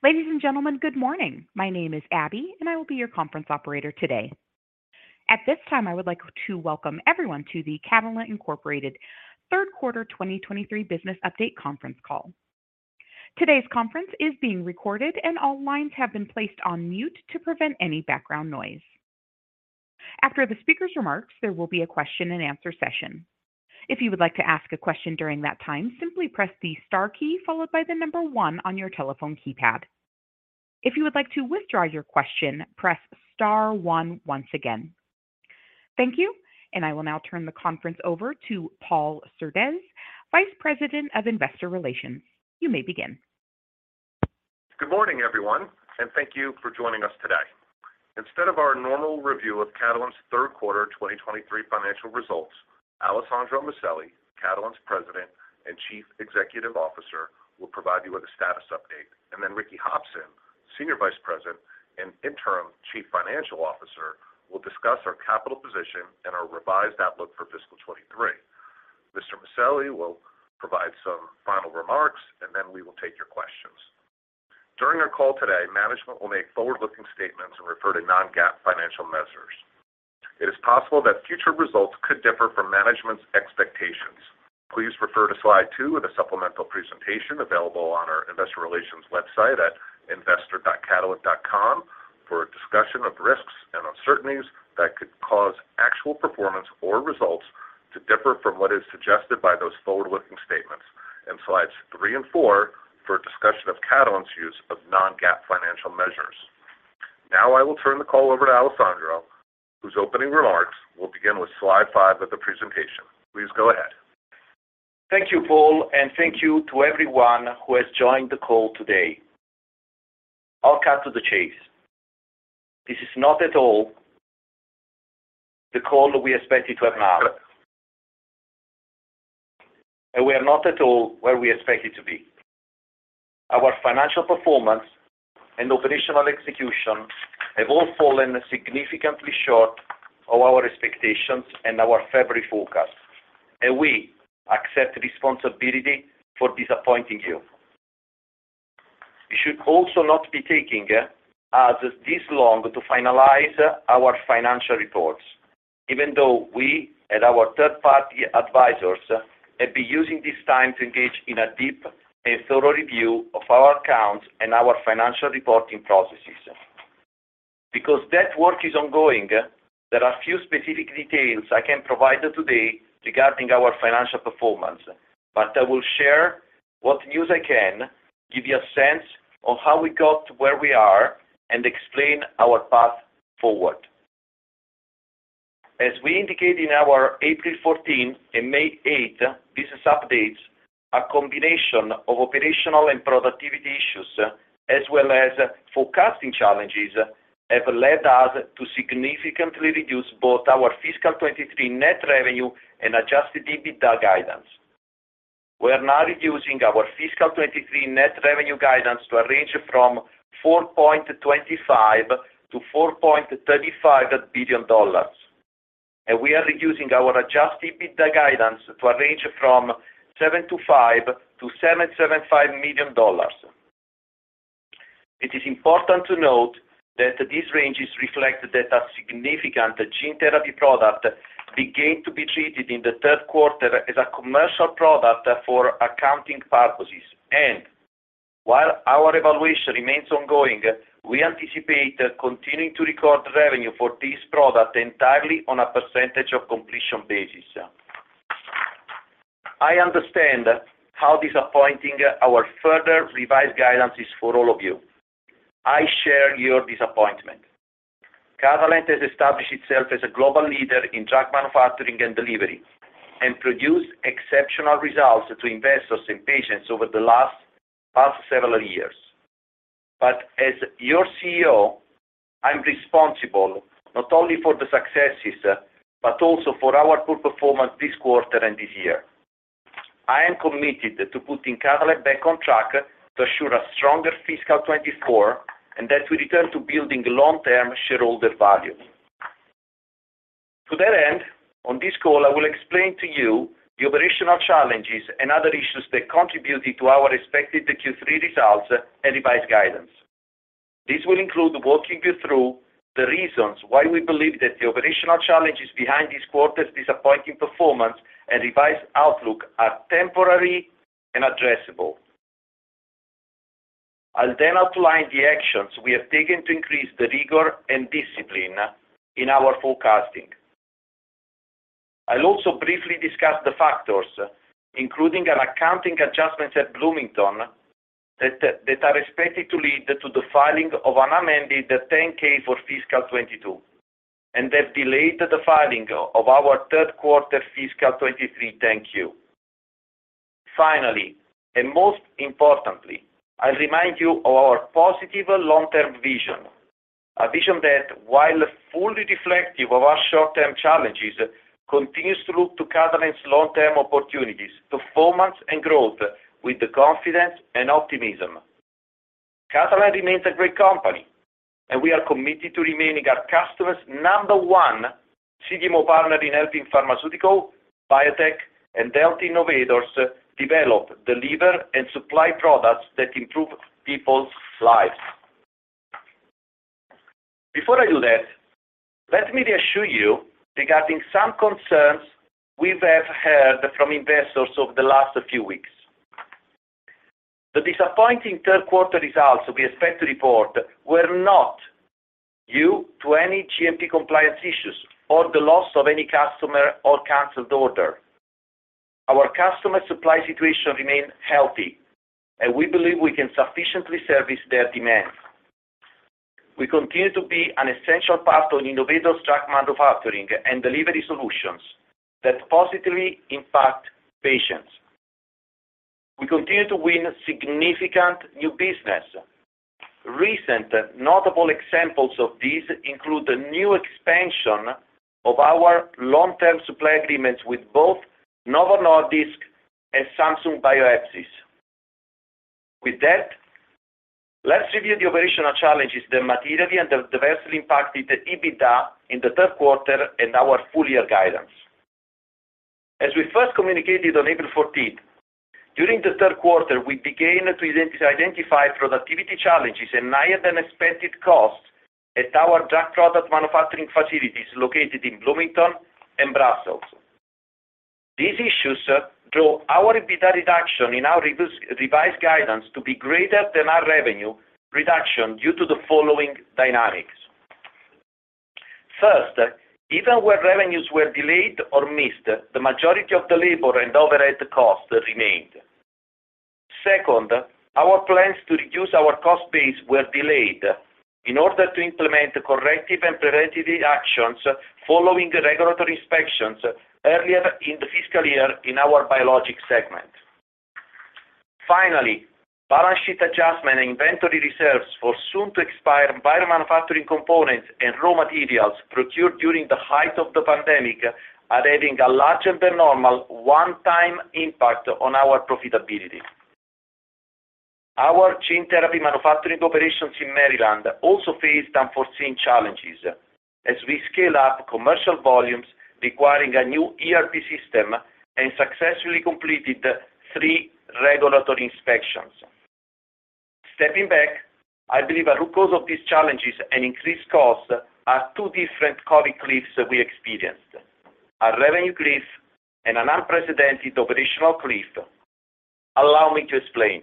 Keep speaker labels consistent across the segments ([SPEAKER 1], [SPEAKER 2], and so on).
[SPEAKER 1] Ladies and gentlemen, good morning. My name is Abby, I will be your conference operator today. At this time, I would like to welcome everyone to the Catalent, Inc. 3rd quarter 2023 business update conference call. Today's conference is being recorded, all lines have been placed on mute to prevent any background noise. After the speaker's remarks, there will be a question-and-answer session. If you would like to ask a question during that time, simply press the star key followed by the number one on your telephone keypad. If you would like to withdraw your question, press star one once again. Thank you, I will now turn the conference over to Paul Surdez, Vice President of Investor Relations. You may begin.
[SPEAKER 2] Good morning, everyone, and thank you for joining us today. Instead of our normal review of Catalent's 3rd quarter 2023 financial results, Alessandro Maselli, Catalent's President and Chief Executive Officer, will provide you with a status update. Ricky Hopson, Senior Vice President and Interim Chief Financial Officer, will discuss our capital position and our revised outlook for fiscal 2023. Mr. Alessandro Maselli will provide some final remarks, and then we will take your questions. During our call today, management will make forward-looking statements and refer to non-GAAP financial measures. It is possible that future results could differ from management's expectations. Please refer to Slide 2 of the supplemental presentation available on our investor relations website at investor.catalent.com for a discussion of risks and uncertainties that could cause actual performance or results to differ from what is suggested by those forward-looking statements in Slides 3 and 4 for a discussion of Catalent's use of non-GAAP financial measures. Now I will turn the call over to Alessandro, whose opening remarks will begin with Slide 5 of the presentation. Please go ahead.
[SPEAKER 3] Thank you, Paul, and thank you to everyone who has joined the call today. I'll cut to the chase. This is not at all the call we expected to have now. We are not at all where we expected to be. Our financial performance and operational execution have all fallen significantly short of our expectations and our February forecast, and we accept responsibility for disappointing you. It should also not be taking us this long to finalize our financial reports, even though we and our third-party advisors have been using this time to engage in a deep and thorough review of our accounts and our financial reporting processes. Because that work is ongoing, there are few specific details I can provide today regarding our financial performance, but I will share what news I can, give you a sense of how we got to where we are, and explain our path forward. As we indicated in our April 14th and May 8th business updates, a combination of operational and productivity issues as well as forecasting challenges have led us to significantly reduce both our fiscal 2023 net revenue and adjusted EBITDA guidance. We are now reducing our fiscal 2023 net revenue guidance to a range from $4.25 billion-$4.35 billion. We are reducing our adjusted EBITDA guidance to a range from $705 million-$775 million. It is important to note that these ranges reflect that a significant gene therapy product began to be treated in the 3rd quarter as a commercial product for accounting purposes. While our evaluation remains ongoing, we anticipate continuing to record revenue for this product entirely on a percentage-of-completion basis. I understand how disappointing our further revised guidance is for all of you. I share your disappointment. Catalent has established itself as a global leader in drug manufacturing and delivery and produced exceptional results to investors and patients over the past several years. As your CEO, I'm responsible not only for the successes but also for our poor performance this quarter and this year. I am committed to putting Catalent back on track to assure a stronger fiscal 2024 and that we return to building long-term shareholder value. To that end, on this call, I will explain to you the operational challenges and other issues that contributed to our expected Q3 results and revised guidance. This will include walking you through the reasons why we believe that the operational challenges behind this quarter's disappointing performance and revised outlook are temporary and addressable. I'll then outline the actions we have taken to increase the rigor and discipline in our forecasting. I'll also briefly discuss the factors, including our accounting adjustments at Bloomington, that are expected to lead to the filing of an amended 10-K for fiscal 2022 and that delayed the filing of our 3rd quarter fiscal 2023 10-Q. Finally, and most importantly, I remind you of our positive long-term vision, a vision that, while fully reflective of our short-term challenges, continues to look to Catalent's long-term opportunities, performance and growth with confidence and optimism. Catalent remains a great company. We are committed to remaining our customers' number one CDMO partner in helping pharmaceutical, biotech, and health innovators develop, deliver, and supply products that improve people's lives. Before I do that, let me reassure you regarding some concerns we have heard from investors over the last few weeks. The disappointing 3rd quarter results we expect to report were not due to any GMP compliance issues or the loss of any customer or canceled order. Our customer supply situation remains healthy, and we believe we can sufficiently service their demands. We continue to be an essential partner in innovators' drug manufacturing and delivery solutions that positively impact patients. We continue to win significant new business. Recent notable examples of these include the new expansion of our long-term supply agreements with both Novo Nordisk and Samsung Bioepis. Let's review the operational challenges that materially and adversely impacted the EBITDA in the 3rd quarter and our full-year guidance. As we first communicated on April 14th, during the 3rd quarter, we began to identify productivity challenges and higher-than-expected costs at our drug product manufacturing facilities located in Bloomington and Brussels. These issues drove our EBITDA reduction in our revised guidance to be greater than our revenue reduction due to the following dynamics. Even where revenues were delayed or missed, the majority of the labor and overhead costs remained. Our plans to reduce our cost base were delayed in order to implement corrective and preventative actions following regulatory inspections earlier in the fiscal year in our biologics segment. Finally, balance sheet adjustment and inventory reserves for soon-to-expire biomanufacturing components and raw materials procured during the height of the pandemic are having a larger-than-normal one-time impact on our profitability. Our gene therapy manufacturing operations in Maryland also faced unforeseen challenges as we scale up commercial volumes requiring a new ERP system and successfully completed three regulatory inspections. Stepping back, I believe a root cause of these challenges and increased costs are two different COVID cliffs we experienced, a revenue cliff and an unprecedented operational cliff. Allow me to explain.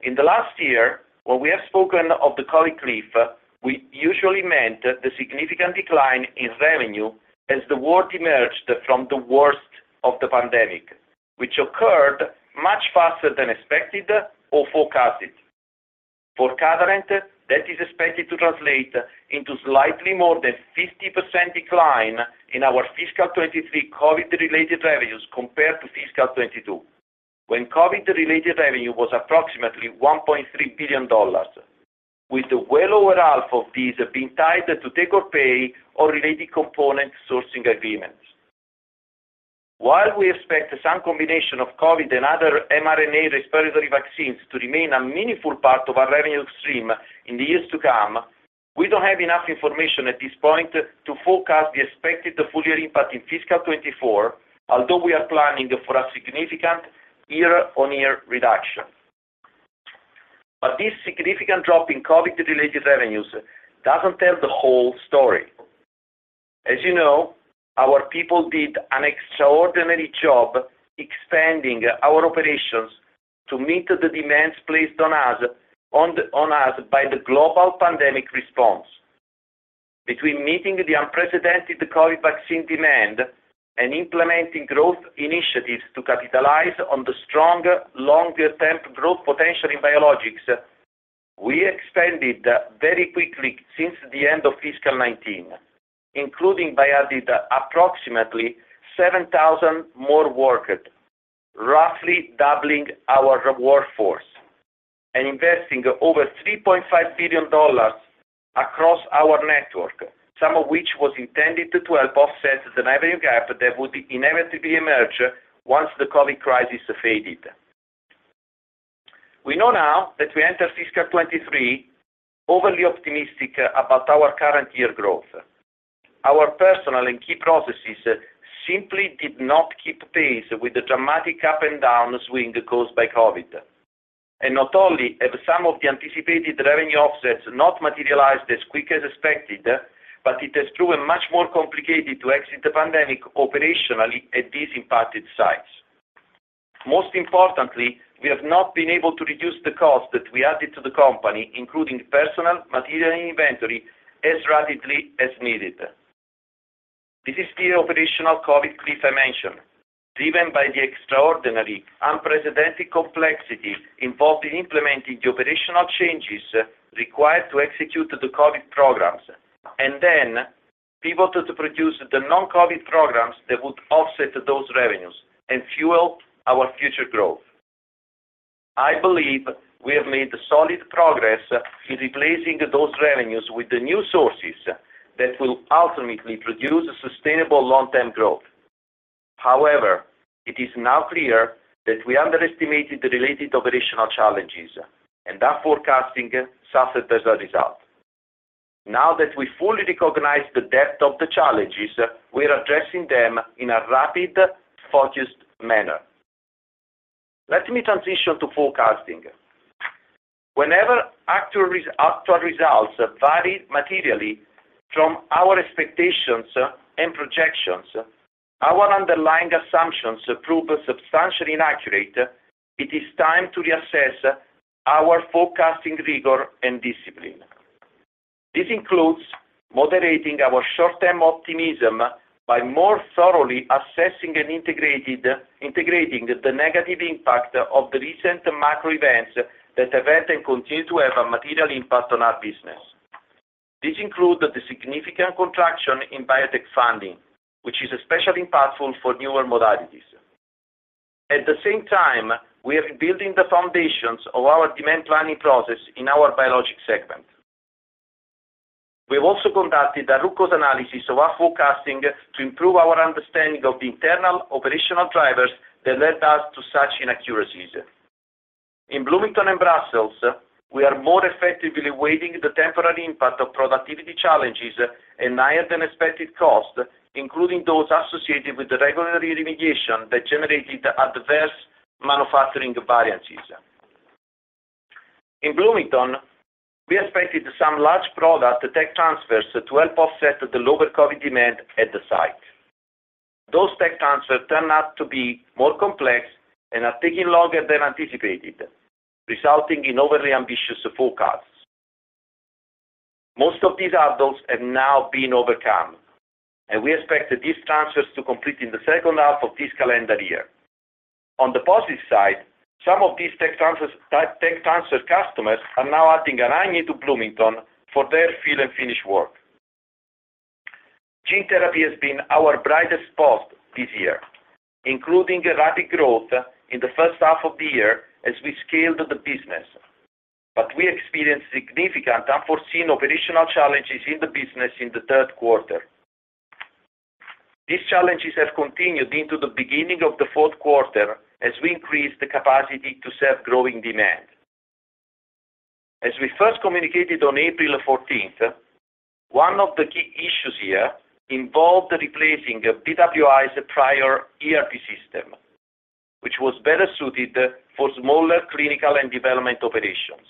[SPEAKER 3] In the last year, when we have spoken of the COVID cliff, we usually meant the significant decline in revenue as the world emerged from the worst of the pandemic, which occurred much faster than expected or forecasted. For Catalent, that is expected to translate into slightly more than 50% decline in our fiscal 2023 COVID-related revenues compared to fiscal 2022, when COVID-related revenue was approximately $1.3 billion, with well over half of these being tied to take-or-pay or related component sourcing agreements. While we expect some combination of COVID and other mRNA respiratory vaccines to remain a meaningful part of our revenue stream in the years to come, we don't have enough information at this point to forecast the expected full-year impact in fiscal 2024, although we are planning for a significant year-on-year reduction. This significant drop in COVID-related revenues doesn't tell the whole story. As you know, our people did an extraordinary job expanding our operations to meet the demands placed on us by the global pandemic response. Between meeting the unprecedented COVID vaccine demand and implementing growth initiatives to capitalize on the strong longer-term growth potential in biologics, we expanded very quickly since the end of fiscal 2019, including by adding approximately 7,000 more workers, roughly doubling our workforce and investing over $3.5 billion across our network, some of which was intended to help offset the revenue gap that would inevitably emerge once the COVID crisis faded. We know now that we entered fiscal 2023 overly optimistic about our current year growth. Our personnel and key processes simply did not keep pace with the dramatic up-and-down swing caused by COVID. Not only have some of the anticipated revenue offsets not materialized as quick as expected, but it has proven much more complicated to exit the pandemic operationally at these impacted sites. Most importantly, we have not been able to reduce the cost that we added to the company, including personnel, material, and inventory, as rapidly as needed. This is the operational COVID cliff I mentioned, driven by the extraordinary, unprecedented complexity involved in implementing the operational changes required to execute the COVID programs and then pivot to produce the non-COVID programs that would offset those revenues and fuel our future growth. However, it is now clear that we underestimated the related operational challenges, and our forecasting suffered as a result. Now that we fully recognize the depth of the challenges, we're addressing them in a rapid, focused manner. Let me transition to forecasting. Whenever actual results vary materially from our expectations and projections, our underlying assumptions prove substantially inaccurate, it is time to reassess our forecasting rigor and discipline. This includes moderating our short-term optimism by more thoroughly assessing and integrating the negative impact of the recent macro events that have had and continue to have a material impact on our business. This includes the significant contraction in biotech funding, which is especially impactful for newer modalities. At the same time, we are building the foundations of our demand planning process in our biologics segment. We have also conducted a root cause analysis of our forecasting to improve our understanding of the internal operational drivers that led us to such inaccuracies. In Bloomington and Brussels, we are more effectively weighing the temporary impact of productivity challenges and higher-than-expected costs, including those associated with the regulatory remediation that generated adverse manufacturing variances. In Bloomington, we expected some large product tech transfers to help offset the lower COVID demand at the site. Those tech transfers turned out to be more complex and are taking longer than anticipated, resulting in overly ambitious forecasts. Most of these hurdles have now been overcome, and we expect these transfers to complete in the 2nd half of this calendar year. On the positive side, some of these tech transfer customers are now adding RNA to Bloomington for their fill-and-finish work. Gene therapy has been our brightest spot this year, including rapid growth in the 1st half of the year as we scaled the business. We experienced significant unforeseen operational challenges in the business in the 3rd quarter. These challenges have continued into the beginning of the fourth quarter as we increased the capacity to serve growing demand. As we first communicated on April 14th, one of the key issues here involved replacing BWI's prior ERP system, which was better suited for smaller clinical and development operations.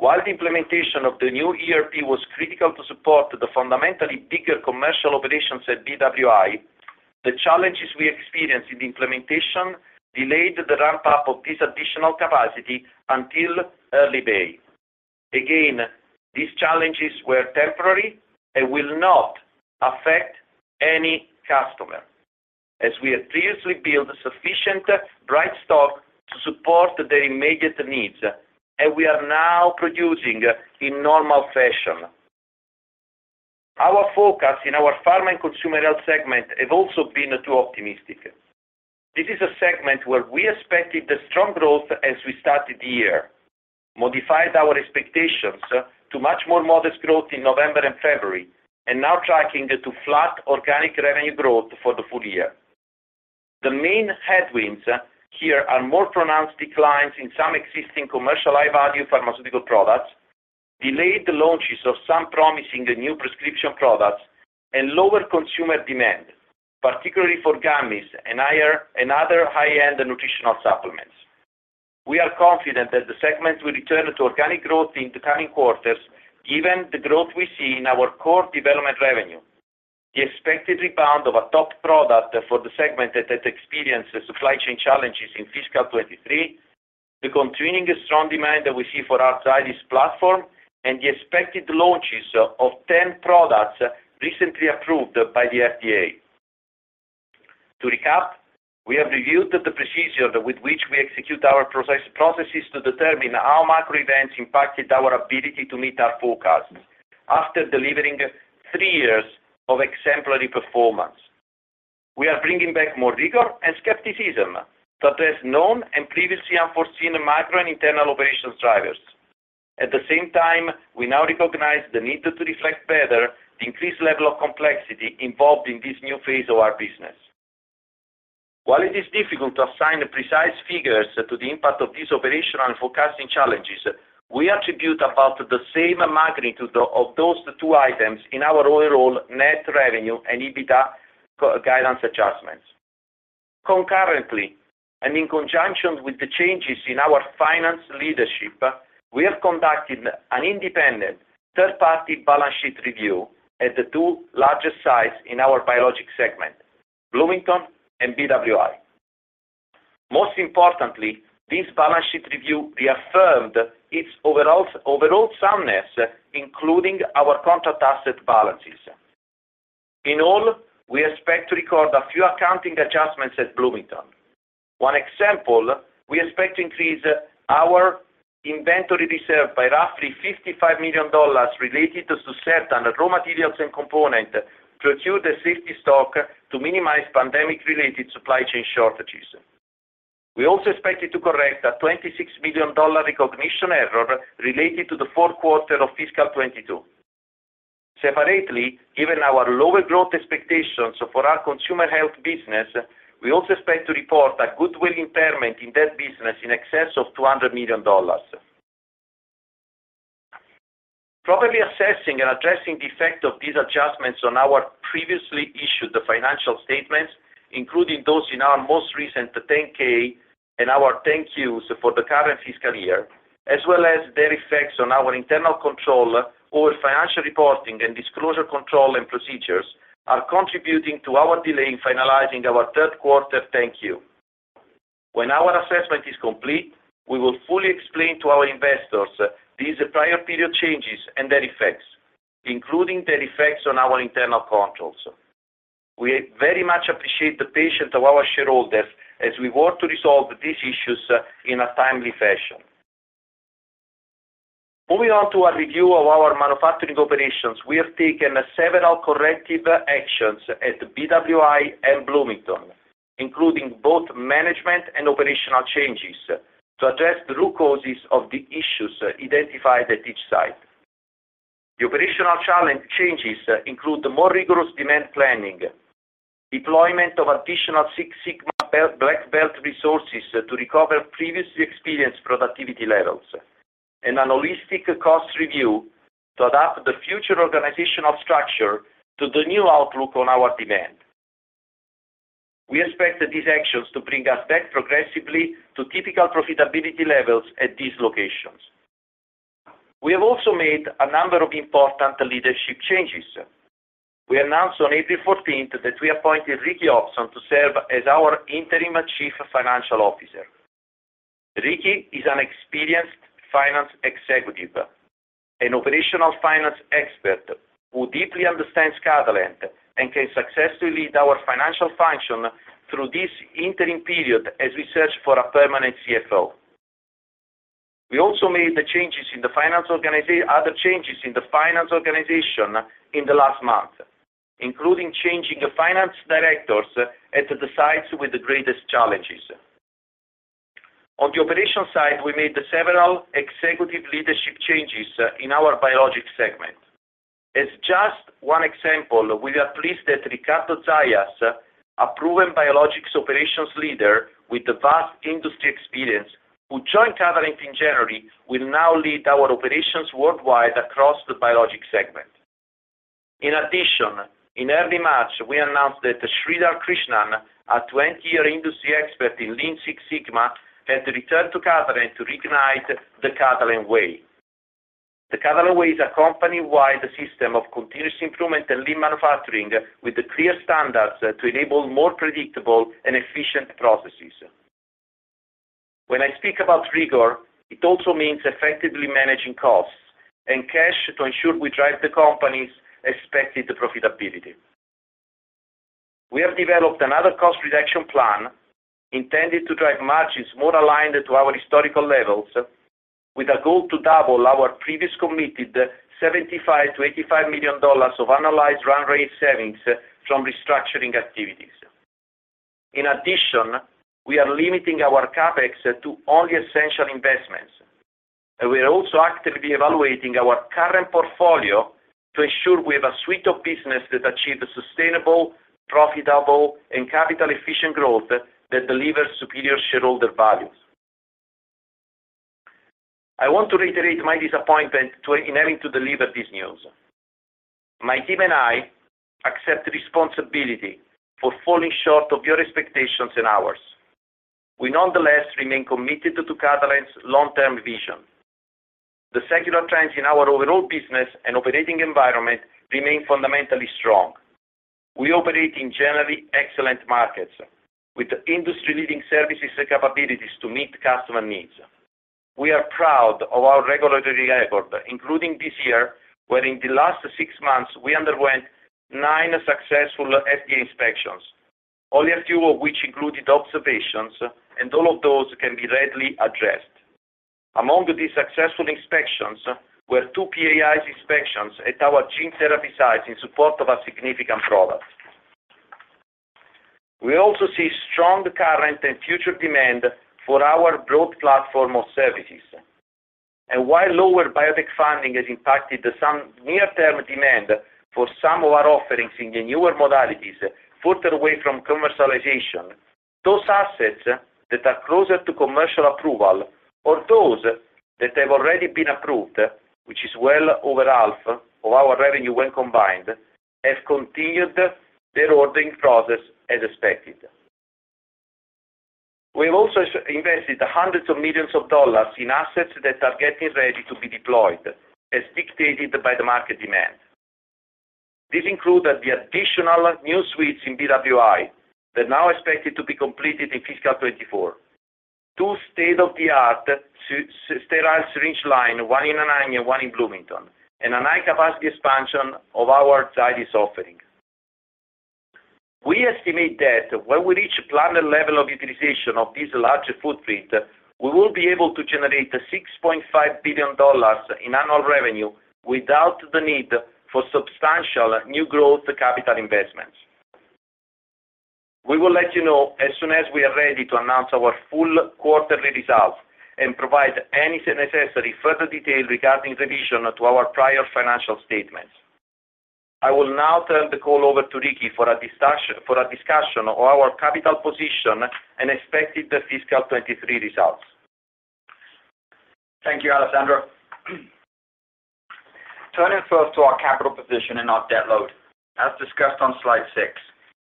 [SPEAKER 3] While the implementation of the new ERP was critical to support the fundamentally bigger commercial operations at BWI, the challenges we experienced in the implementation delayed the ramp-up of this additional capacity until early May. Again, these challenges were temporary and will not affect any customer, as we have previously built sufficient bright-stock to support their immediate needs, and we are now producing in normal fashion. Our focus in our pharma and consumer health segment have also been too optimistic. This is a segment where we expected a strong growth as we started the year, modified our expectations to much more modest growth in November and February, and now tracking it to flat organic revenue growth for the full year. The main headwinds here are more pronounced declines in some existing commercial high-value pharmaceutical products, delayed launches of some promising new prescription products and lower consumer demand, particularly for gummies and other high-end nutritional supplements. We are confident that the segment will return to organic growth in the coming quarters, given the growth we see in our core development revenue, the expected rebound of a top product for the segment that has experienced supply chain challenges in fiscal 2023, the continuing strong demand that we see for our Zydis platform, and the expected launches of 10 products recently approved by the FDA. To recap, we have reviewed the procedure with which we execute our processes to determine how macro events impacted our ability to meet our forecasts after delivering three years of exemplary performance. We are bringing back more rigor and skepticism to address known and previously unforeseen macro and internal operations drivers. At the same time, we now recognize the need to reflect better the increased level of complexity involved in this new phase of our business. While it is difficult to assign precise figures to the impact of these operational and forecasting challenges, we attribute about the same magnitude of those two items in our overall net revenue and EBITDA guidance adjustments. Concurrently, and in conjunction with the changes in our finance leadership, we have conducted an independent third-party balance sheet review at the two largest sites in our biologics segment, Bloomington and BWI. Most importantly, this balance sheet review reaffirmed its overall soundness, including our contract asset balances. In all, we expect to record a few accounting adjustments at Bloomington. One example, we expect to increase our inventory reserve by roughly $55 million related to suspect and raw materials and component to accrue the safety stock to minimize pandemic-related supply chain shortages. We also expect it to correct a $26 million recognition error related to the fourth quarter of fiscal 2022. Separately, given our lower growth expectations for our consumer health business, we also expect to report a goodwill impairment in that business in excess of $200 million. Properly assessing and addressing the effect of these adjustments on our previously issued financial statements, including those in our most recent 10-K and our 10-Qs for the current fiscal year, as well as their effects on our internal control over financial reporting and disclosure control and procedures, are contributing to our delay in finalizing our 3rd quarter 10-Q. When our assessment is complete, we will fully explain to our investors these prior period changes and their effects, including their effects on our internal controls. We very much appreciate the patience of our shareholders as we work to resolve these issues in a timely fashion. Moving on to a review of our manufacturing operations. We have taken several corrective actions at BWI and Bloomington, including both management and operational changes to address the root causes of the issues identified at each site. The operational changes include more rigorous demand planning, deployment of additional Six Sigma Black Belt resources to recover previously experienced productivity levels, and an holistic cost review to adapt the future organizational structure to the new outlook on our demand. We expect these actions to bring us back progressively to typical profitability levels at these locations. We have also made a number of important leadership changes. We announced on April 14th that we appointed Ricky Hopson to serve as our interim Chief Financial Officer. Ricky is an experienced finance executive, an operational finance expert who deeply understands Catalent and can successfully lead our financial function through this interim period as we search for a permanent CFO. We also made other changes in the finance organization in the last month, including changing the finance directors at the sites with the greatest challenges. On the operational side, we made several executive leadership changes in our biologics segment. As just one example, we are pleased that Ricardo Zayas, a proven biologics operations leader with vast industry experience who joined Catalent in January, will now lead our operations worldwide across the biologics segment. In addition, in early March, we announced that Sridhar Krishnan, a 20-year industry expert in Lean Six Sigma, had returned to Catalent to reignite The Catalent Way. The Catalent Way is a company-wide system of continuous improvement and lean manufacturing with clear standards to enable more predictable and efficient processes. When I speak about rigor, it also means effectively managing costs and cash to ensure we drive the company's expected profitability. We have developed another cost reduction plan intended to drive margins more aligned to our historical levels with a goal to double our previous committed $75 million-$85 million of analyzed run rate savings from restructuring activities. In addition, we are limiting our CapEx to only essential investments. We are also actively evaluating our current portfolio to ensure we have a suite of business that achieve sustainable, profitable, and capital-efficient growth that delivers superior shareholder values. I want to reiterate my disappointment in having to deliver this news. My team and I accept responsibility for falling short of your expectations and ours. We nonetheless remain committed to Catalent's long-term vision. The secular trends in our overall business and operating environment remain fundamentally strong. We operate in generally excellent markets with industry-leading services and capabilities to meet customer needs. We are proud of our regulatory record, including this year, where in the last six months, we underwent nine successful FDA inspections, only a few of which included observations, and all of those can be readily addressed. Among these successful inspections were two PAI inspections at our gene therapy sites in support of a significant product. We also see strong current and future demand for our broad platform of services. While lower biotech funding has impacted some near-term demand for some of our offerings in the newer modalities further away from commercialization, those assets that are closer to commercial approval or those that have already been approved, which is well over half of our revenue when combined, have continued their ordering process as expected. We have also invested hundreds of millions of dollars in assets that are getting ready to be deployed as dictated by the market demand. This includes the additional new suites in BWI that are now expected to be completed in fiscal 2024, two state-of-the-art sterile syringe line, one in Indiana, one in Bloomington, and a high-capacity expansion of our diabetes offering. We estimate that when we reach planned level of utilization of this large footprint, we will be able to generate $6.5 billion in annual revenue without the need for substantial new growth capital investments. We will let you know as soon as we are ready to announce our full quarterly results and provide any necessary further detail regarding revision to our prior financial statements. I will now turn the call over to Ricky for a discussion on our capital position and expected the fiscal 2023 results.
[SPEAKER 4] Thank you, Alessandro. Turning first to our capital position and our debt load. As discussed on Slide 6,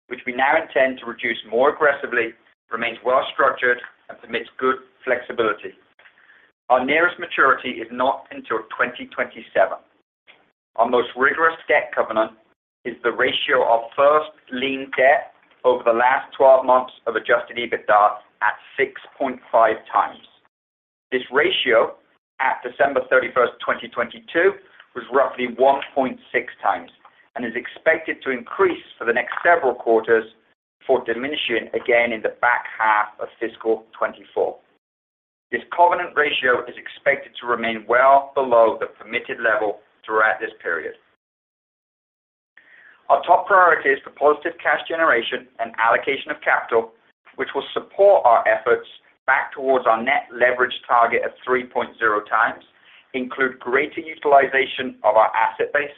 [SPEAKER 4] which we now intend to reduce more aggressively, remains well structured and permits good flexibility. Our nearest maturity is not until 2027. Our most rigorous debt covenant is the ratio of first lean debt over the last 12 months of adjusted EBITDA at 6.5x. This ratio at December 31st, 2022, was roughly 1.6x, and is expected to increase for the next several quarters before diminishing again in the back half of fiscal 2024. This covenant ratio is expected to remain well below the permitted level throughout this period. Our top priority is for positive cash generation and allocation of capital, which will support our efforts back towards our net leverage target of 3.0x include greater utilization of our asset base,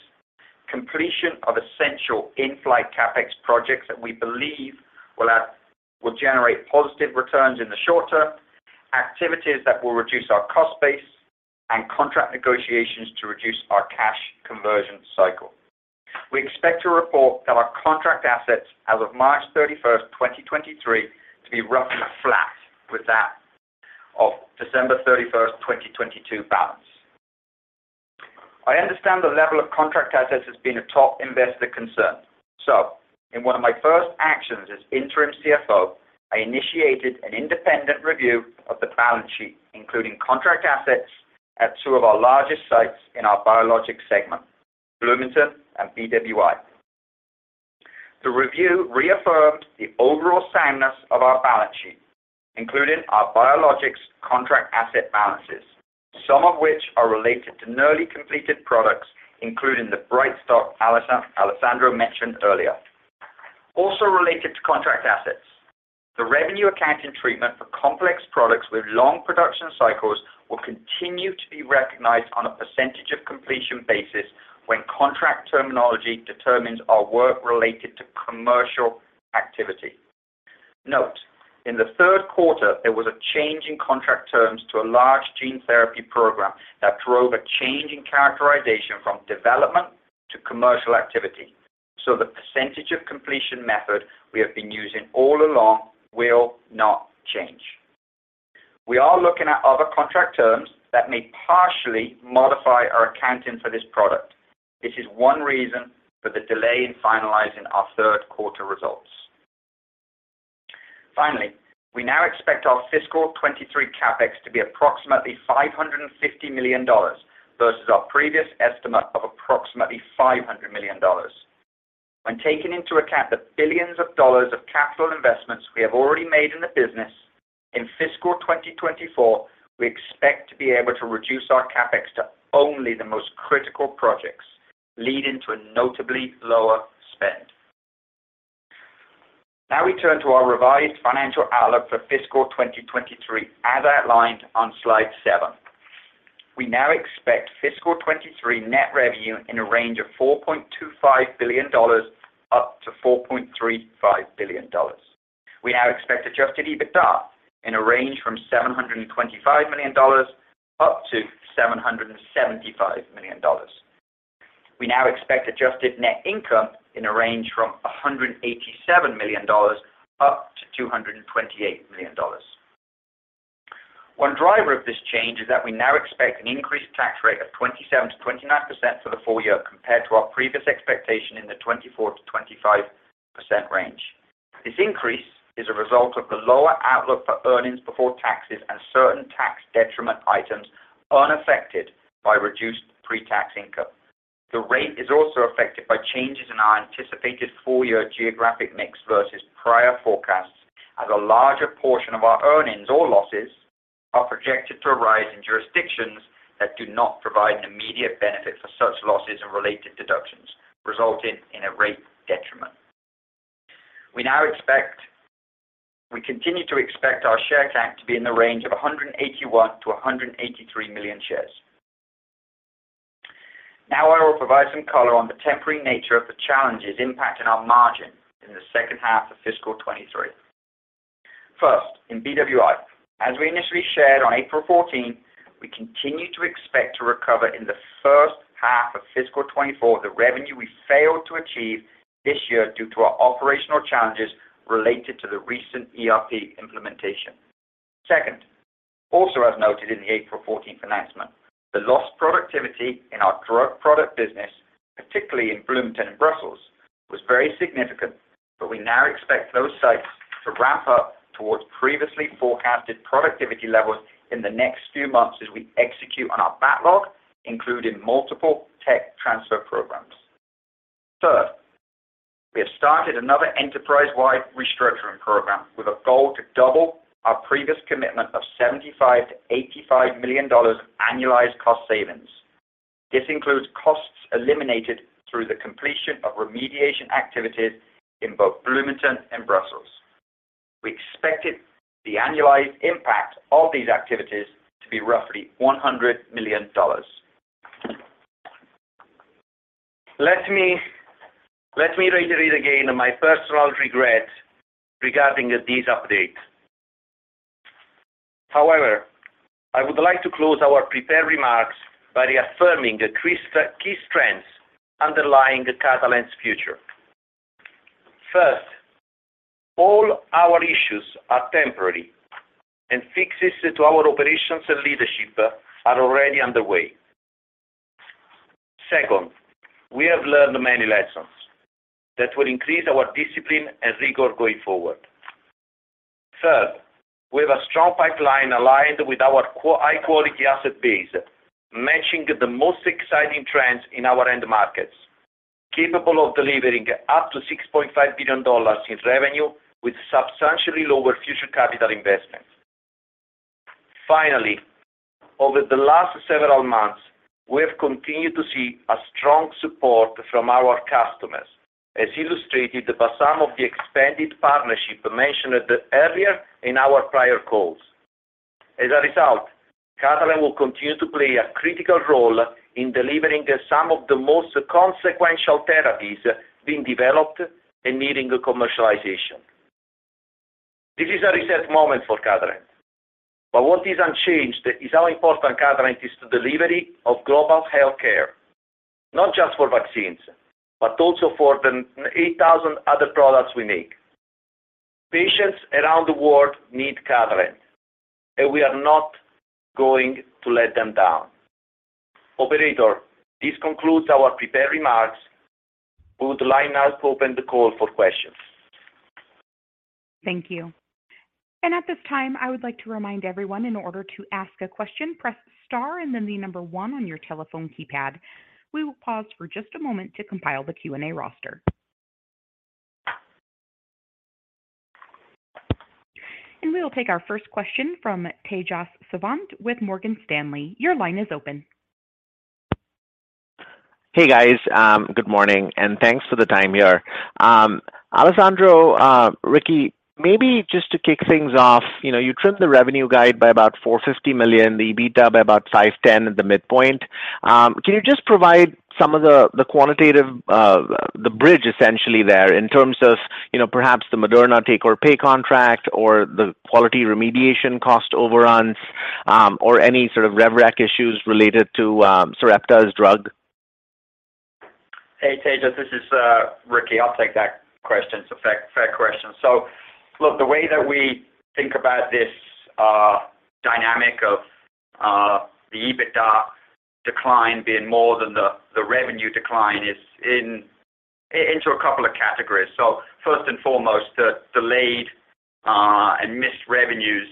[SPEAKER 4] completion of essential in-flight CapEx projects that we believe will generate positive returns in the short term, activities that will reduce our cost base and contract negotiations to reduce our cash conversion cycle. We expect to report that our contract assets as of March 31, 2023, to be roughly flat with that of December 31, 2022, balance. I understand the level of contract assets has been a top investor concern. In one of my first actions as interim CFO, I initiated an independent review of the balance sheet, including contract assets at two of our largest sites in our Biologics segment, Bloomington and BWI. The review reaffirmed the overall soundness of our balance sheet, including our Biologics contract asset balances. Some of which are related to nearly completed products, including the Brightstock Alessandro mentioned earlier. Related to contract assets, the revenue accounting treatment for complex products with long production cycles will continue to be recognized on a percentage of completion basis when contract terminology determines our work related to commercial activity. Note, in the 3rd quarter, there was a change in contract terms to a large gene therapy program that drove a change in characterization from development to commercial activity. The percentage of completion method we have been using all along will not change. We are looking at other contract terms that may partially modify our accounting for this product. This is one reason for the delay in finalizing our 3rd quarter results. Finally, we now expect our fiscal 2023 CapEx to be approximately $550 million versus our previous estimate of approximately $500 million. When taking into account the $ billions of capital investments we have already made in the business, in fiscal 2024, we expect to be able to reduce our CapEx to only the most critical projects, leading to a notably lower spend. We turn to our revised financial outlook for fiscal 2023, as outlined on Slide 7. We now expect fiscal 2023 net revenue in a range of $4.25 billion-$4.35 billion. We now expect adjusted EBITDA in a range from $725 million-$775 million. We now expect adjusted net income in a range from $187 million up to $228 million. One driver of this change is that we now expect an increased tax rate of 27%-29% for the full year compared to our previous expectation in the 24%-25% range. This increase is a result of the lower outlook for earnings before taxes and certain tax detriment items unaffected by reduced pre-tax income. The rate is also affected by changes in our anticipated full-year geographic mix versus prior forecasts, as a larger portion of our earnings or losses are projected to arise in jurisdictions that do not provide an immediate benefit for such losses and related deductions, resulting in a rate detriment. We continue to expect our share count to be in the range of 181-183 million shares. I will provide some color on the temporary nature of the challenges impacting our margin in the 2nd half of fiscal 2023. First, in BWI, as we initially shared on April 14th, we continue to expect to recover in the 1st half of fiscal 2024 the revenue we failed to achieve this year due to our operational challenges related to the recent ERP implementation. Second, also as noted in the April 14th announcement, the lost productivity in our drug product business, particularly in Bloomington and Brussels, was very significant, but we now expect those sites to ramp up towards previously forecasted productivity levels in the next few months as we execute on our backlog, including multiple tech transfer programs. Third, we have started another enterprise-wide restructuring program with a goal to double our previous commitment of $75 million-$85 million annualized cost savings.
[SPEAKER 3] This includes costs eliminated through the completion of remediation activities in both Bloomington and Brussels. We expected the annualized impact of these activities to be roughly $100 million. Let me reiterate again my personal regret regarding this update. However, I would like to close our prepared remarks by reaffirming the key strengths underlying Catalent's future. First, all our issues are temporary, and fixes to our operations and leadership are already underway. Second, we have learned many lessons that will increase our discipline and rigor going forward. Third, we have a strong pipeline aligned with our high-quality asset base, matching the most exciting trends in our end markets, capable of delivering up to $6.5 billion in revenue with substantially lower future capital investments. Over the last several months, we have continued to see a strong support from our customers, as illustrated by some of the expanded partnership mentioned earlier in our prior calls. As a result, Catalent will continue to play a critical role in delivering some of the most consequential therapies being developed and needing commercialization. This is a reset moment for Catalent, but what is unchanged is how important Catalent is to delivery of global healthcare, not just for vaccines, but also for the 8,000 other products we make. Patients around the world need Catalent, and we are not going to let them down. Operator, this concludes our prepared remarks. We would like now to open the call for questions.
[SPEAKER 1] Thank you. At this time, I would like to remind everyone in order to ask a question, press star and then the one on your telephone keypad. We will pause for just a moment to compile the Q&A roster. We will take our first question from Tejas Savant with Morgan Stanley. Your line is open.
[SPEAKER 5] Hey, guys. Good morning, and thanks for the time here. Alessandro, Ricky, maybe just to kick things off, you know, you trimmed the revenue guide by about $450 million, the EBITDA by about $510 at the midpoint. Can you just provide some of the quantitative, the bridge essentially there in terms of, you know, perhaps the Moderna take-or-pay contract or the quality remediation cost overruns, or any sort of rev rec issues related to, Sarepta's drug?
[SPEAKER 4] Hey, Tejas, this is Ricky. I'll take that question. It's a fair question. Look, the way that we think about this dynamic of the EBITDA decline being more than the revenue decline is into a couple of categories. First and foremost, the delayed and missed revenues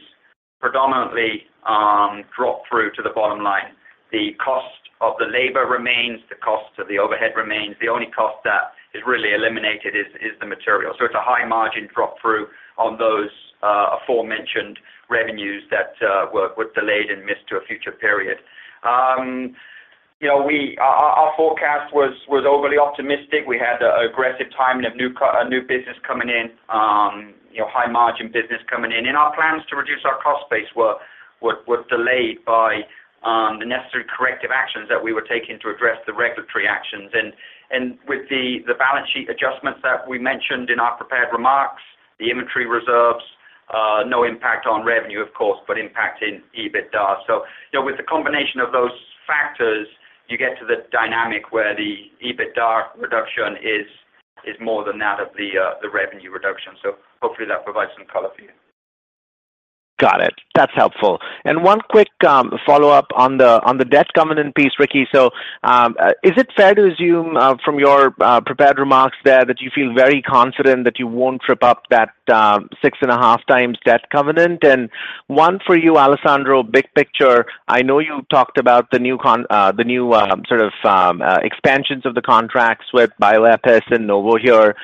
[SPEAKER 4] predominantly drop through to the bottom line. The cost of the labor remains, the cost of the overhead remains. The only cost that is really eliminated is the material. It's a high margin drop through on those aforementioned revenues that were delayed and missed to a future period. You know, our forecast was overly optimistic. We had aggressive timing of new business coming in, you know, high margin business coming in. Our plans to reduce our cost base were delayed by the necessary corrective actions that we were taking to address the regulatory actions. With the balance sheet adjustments that we mentioned in our prepared remarks, the inventory reserves, no impact on revenue, of course, but impact in EBITDA. You know, with the combination of those factors, you get to the dynamic where the EBITDA reduction is more than that of the revenue reduction. Hopefully that provides some color for you.
[SPEAKER 5] Got it. That's helpful. One quick follow-up on the debt covenant piece, Ricky. Is it fair to assume from your prepared remarks there that you feel very confident that you won't trip up that 6.5x debt covenant? One for you, Alessandro, big picture. I know you talked about the new, sort of, expansions of the contracts with Bioepis and Novo here.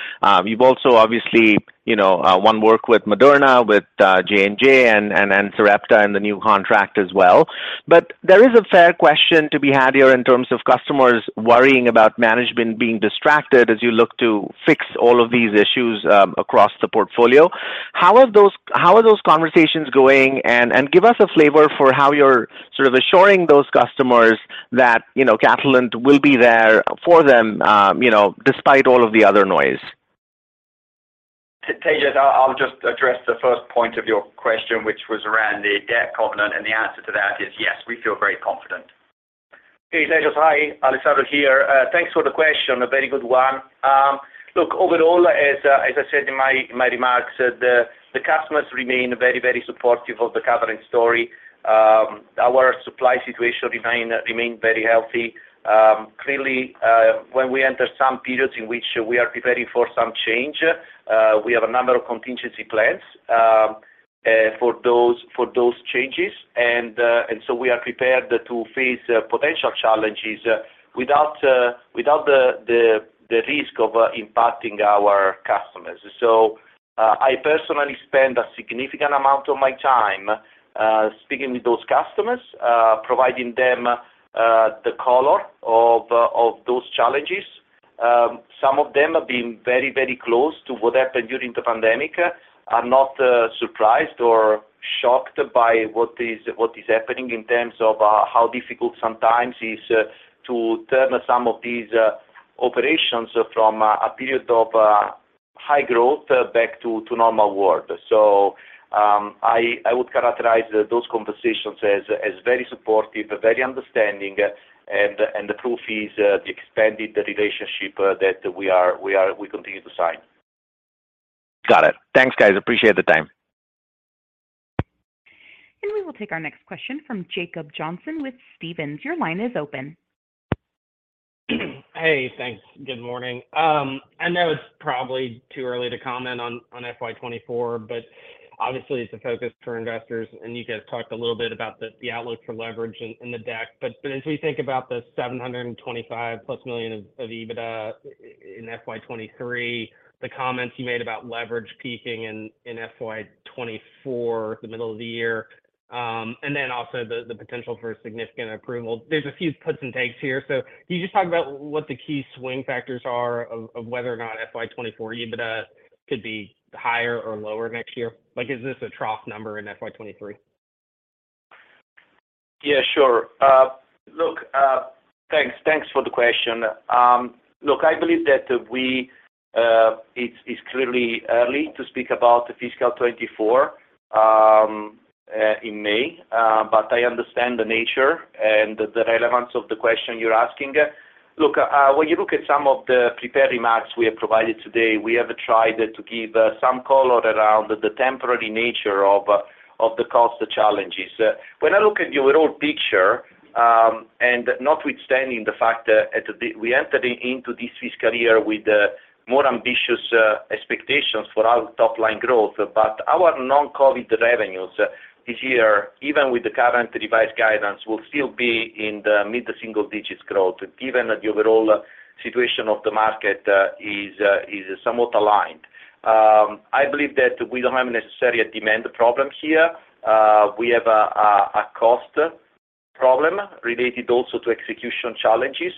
[SPEAKER 5] You've also obviously, you know, one work with Moderna, with J&J and Sarepta and the new contract as well. There is a fair question to be had here in terms of customers worrying about management being distracted as you look to fix all of these issues across the portfolio. How are those conversations going? give us a flavor for how you're sort of assuring those customers that, you know, Catalent will be there for them, you know, despite all of the other noise.
[SPEAKER 4] Tejas, I'll just address the first point of your question, which was around the debt covenant. The answer to that is yes, we feel very confident.
[SPEAKER 3] Hey, Tejas. Hi, Alessandro here. Thanks for the question. A very good one. Look, overall, as I said in my remarks, the customers remain very supportive of the Catalent story. Our supply situation remain very healthy. Clearly, when we enter some periods in which we are preparing for some change, we have a number of contingency plans for those changes. We are prepared to face potential challenges without the risk of impacting our customers. So I personally spend a significant amount of my time speaking with those customers, providing them the color of those challenges. Some of them have been very, very close to what happened during the pandemic, are not surprised or shocked by what is happening in terms of how difficult sometimes is to turn some of these operations from a period of high growth back to normal world. I would characterize those conversations as very supportive, very understanding, and the proof is the expanded relationship that we continue to sign.
[SPEAKER 5] Got it. Thanks, guys. Appreciate the time.
[SPEAKER 1] We will take our next question from Jacob Johnson with Stephens. Your line is open.
[SPEAKER 6] Hey, thanks. Good morning. I know it's probably too early to comment on FY 2024, but obviously it's a focus for investors, and you guys talked a little bit about the outlook for leverage in the deck. As we think about the $725+ million of EBITDA in FY 2023, the comments you made about leverage peaking in FY 2024, the middle of the year, and then also the potential for significant approval, there's a few puts and takes here. Can you just talk about what the key swing factors are of whether or not FY 2024 EBITDA could be higher or lower next year? Like, is this a trough number in FY 2023?
[SPEAKER 3] Yeah, sure. Look, thanks for the question. Look, I believe that we, it's clearly early to speak about fiscal 2024 in May, but I understand the nature and the relevance of the question you're asking. Look, when you look at some of the prepared remarks we have provided today, we have tried to give some color around the temporary nature of the cost challenges. When I look at the overall picture, and notwithstanding the fact that we entered into this fiscal year with more ambitious expectations for our top-line growth. Our non-COVID revenues this year, even with the current revised guidance, will still be in the mid-single digits growth, given the overall situation of the market, is somewhat aligned. I believe that we don't have necessarily a demand problem here. We have a cost problem related also to execution challenges.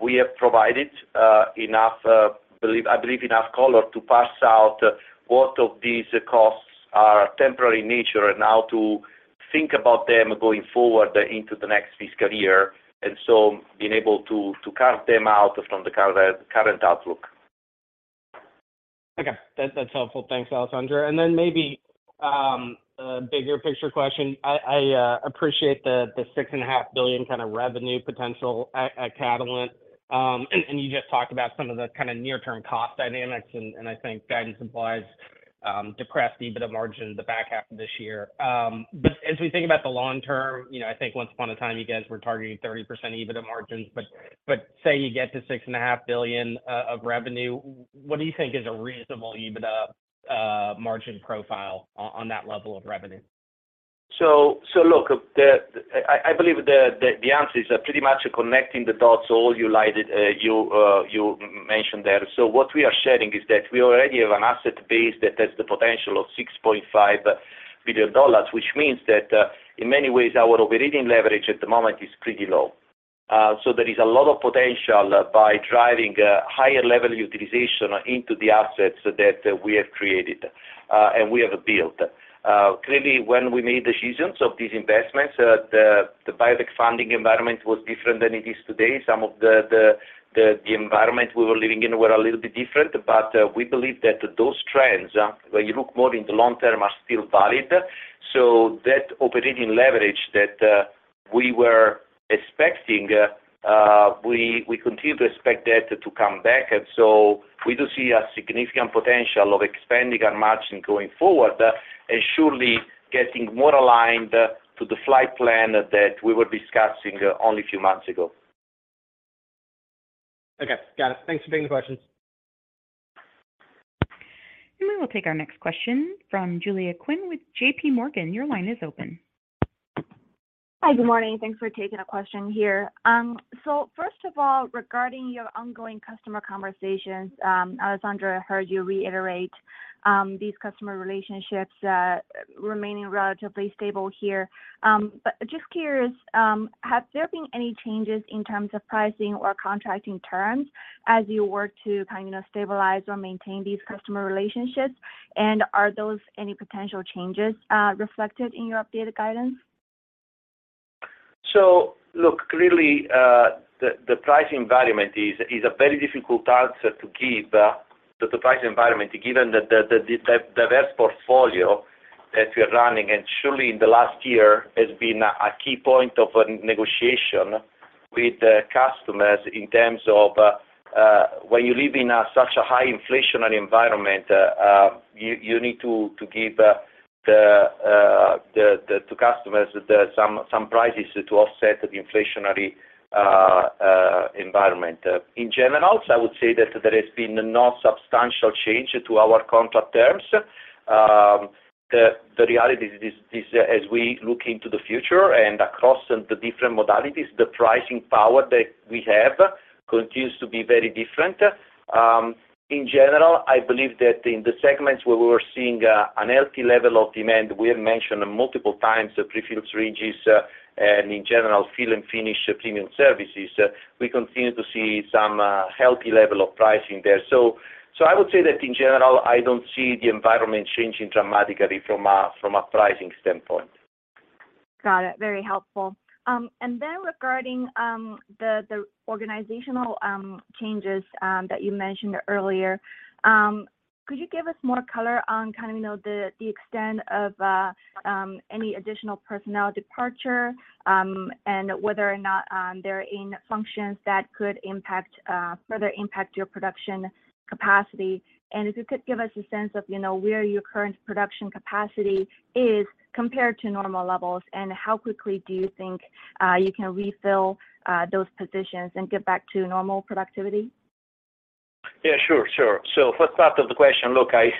[SPEAKER 3] We have provided I believe enough color to parse out what of these costs are temporary in nature and how to think about them going forward into the next fiscal year, being able to carve them out from the current outlook.
[SPEAKER 6] Okay. That's, that's helpful. Thanks, Alessandro. Maybe a bigger picture question. I appreciate the $6.5 billion kind of revenue potential at Catalent. You just talked about some of the kind of near-term cost dynamics, and I think guidance implies depressed EBITDA margin in the back half of this year. As we think about the long term, you know, I think once upon a time you guys were targeting 30% EBITDA margins. Say you get to $6.5 billion of revenue, what do you think is a reasonable EBITDA margin profile on that level of revenue?
[SPEAKER 3] Look, I believe the answer is pretty much connecting the dots all you lighted you mentioned there. What we are sharing is that we already have an asset base that has the potential of $6.5 billion, which means that in many ways, our operating leverage at the moment is pretty low. There is a lot of potential by driving higher level utilization into the assets that we have created and we have built. Clearly, when we made decisions of these investments, the biotech funding environment was different than it is today. Some of the environment we were living in were a little bit different. We believe that those trends, when you look more in the long term, are still valid. That operating leverage that we were expecting, we continue to expect that to come back. We do see a significant potential of expanding our margin going forward, and surely getting more aligned to the flight plan that we were discussing only a few months ago.
[SPEAKER 6] Okay. Got it. Thanks for taking the questions.
[SPEAKER 1] We will take our next question from Rachel Vatnsdal with J.P. Morgan. Your line is open.
[SPEAKER 7] Hi. Good morning. Thanks for taking a question here. First of all, regarding your ongoing customer conversations, Alessandro, I heard you reiterate these customer relationships remaining relatively stable here. Just curious, have there been any changes in terms of pricing or contracting terms as you work to kind of, you know, stabilize or maintain these customer relationships? Are those any potential changes reflected in your updated guidance?
[SPEAKER 3] Look, clearly, the pricing environment is a very difficult answer to give. The pricing environment, given the diverse portfolio that we're running, and surely in the last year has been a key point of negotiation with the customers in terms of when you live in a such a high inflationary environment, you need to give to customers some prices to offset the inflationary environment. In general, I would say that there has been no substantial change to our contract terms. The reality is this, as we look into the future and across the different modalities, the pricing power that we have continues to be very different. In general, I believe that in the segments where we're seeing a healthy level of demand, we have mentioned multiple times the prefilled syringes, and in general, fill and finish premium services, we continue to see some healthy level of pricing there. I would say that in general, I don't see the environment changing dramatically from a pricing standpoint.
[SPEAKER 7] Got it. Very helpful. Regarding the organizational changes that you mentioned earlier, could you give us more color on kind of, you know, the extent of any additional personnel departure, and whether or not they're in functions that could impact further impact your production capacity? If you could give us a sense of, you know, where your current production capacity is compared to normal levels, and how quickly do you think you can refill those positions and get back to normal productivity?
[SPEAKER 3] Yeah, sure. First part of the question, look, I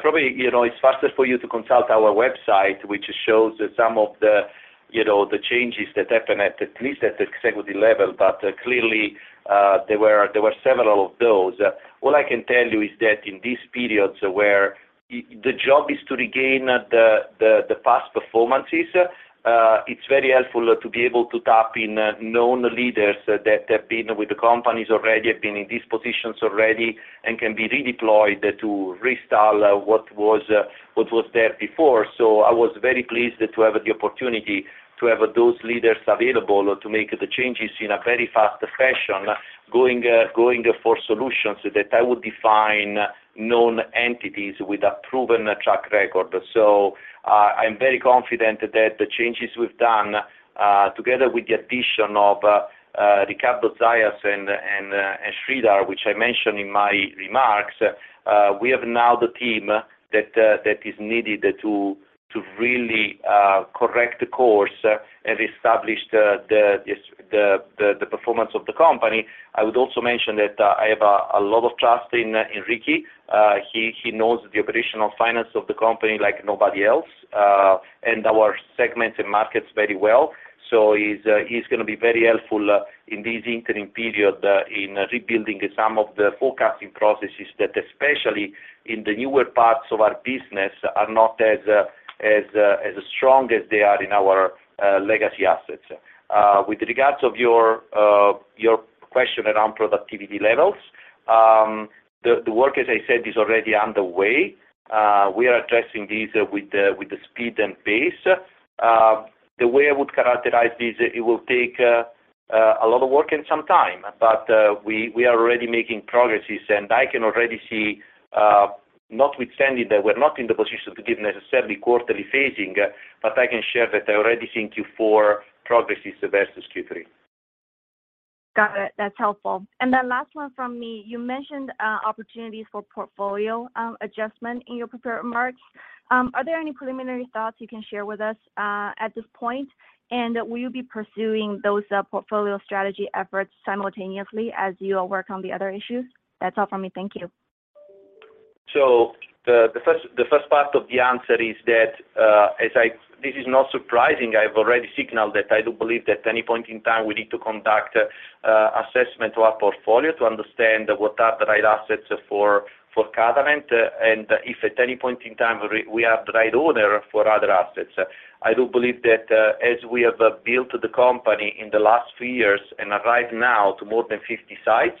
[SPEAKER 3] probably, you know, it's faster for you to consult our website, which shows some of the, you know, the changes that happened at least at the executive level. Clearly, there were several of those. All I can tell you is that in these periods where the job is to regain the past performances, it's very helpful to be able to tap in known leaders that have been with the companies already, have been in these positions already, and can be redeployed to restore what was, what was there before. I was very pleased to have the opportunity to have those leaders available to make the changes in a very fast fashion, going for solutions that I would define known entities with a proven track record. I'm very confident that the changes we've done, together with the addition of Ricardo Zayas and Sridhar, which I mentioned in my remarks, we have now the team that is needed to really correct the course and establish the performance of the company. I would also mention that I have a lot of trust in Ricky. He knows the operational finance of the company like nobody else and our segments and markets very well. He's gonna be very helpful in this interim period in rebuilding some of the forecasting processes that, especially in the newer parts of our business, are not as strong as they are in our legacy assets. With regards of your question around productivity levels, the work, as I said, is already underway. We are addressing this with the speed and pace. The way I would characterize this, it will take a lot of work and some time, but we are already making progresses, and I can already see, notwithstanding that we're not in the position to give necessarily quarterly phasing, but I can share that I already see in Q4 progresses versus Q3.
[SPEAKER 7] Got it. That's helpful. Then last one from me. You mentioned opportunities for portfolio adjustment in your prepared remarks. Are there any preliminary thoughts you can share with us at this point? Will you be pursuing those portfolio strategy efforts simultaneously as you work on the other issues? That's all from me. Thank you.
[SPEAKER 3] The first part of the answer is that this is not surprising. I've already signaled that I do believe at any point in time we need to conduct a assessment to our portfolio to understand what are the right assets for Catalent, and if at any point in time we are the right owner for other assets. I do believe that as we have built the company in the last few years and arrive now to more than 50 sites,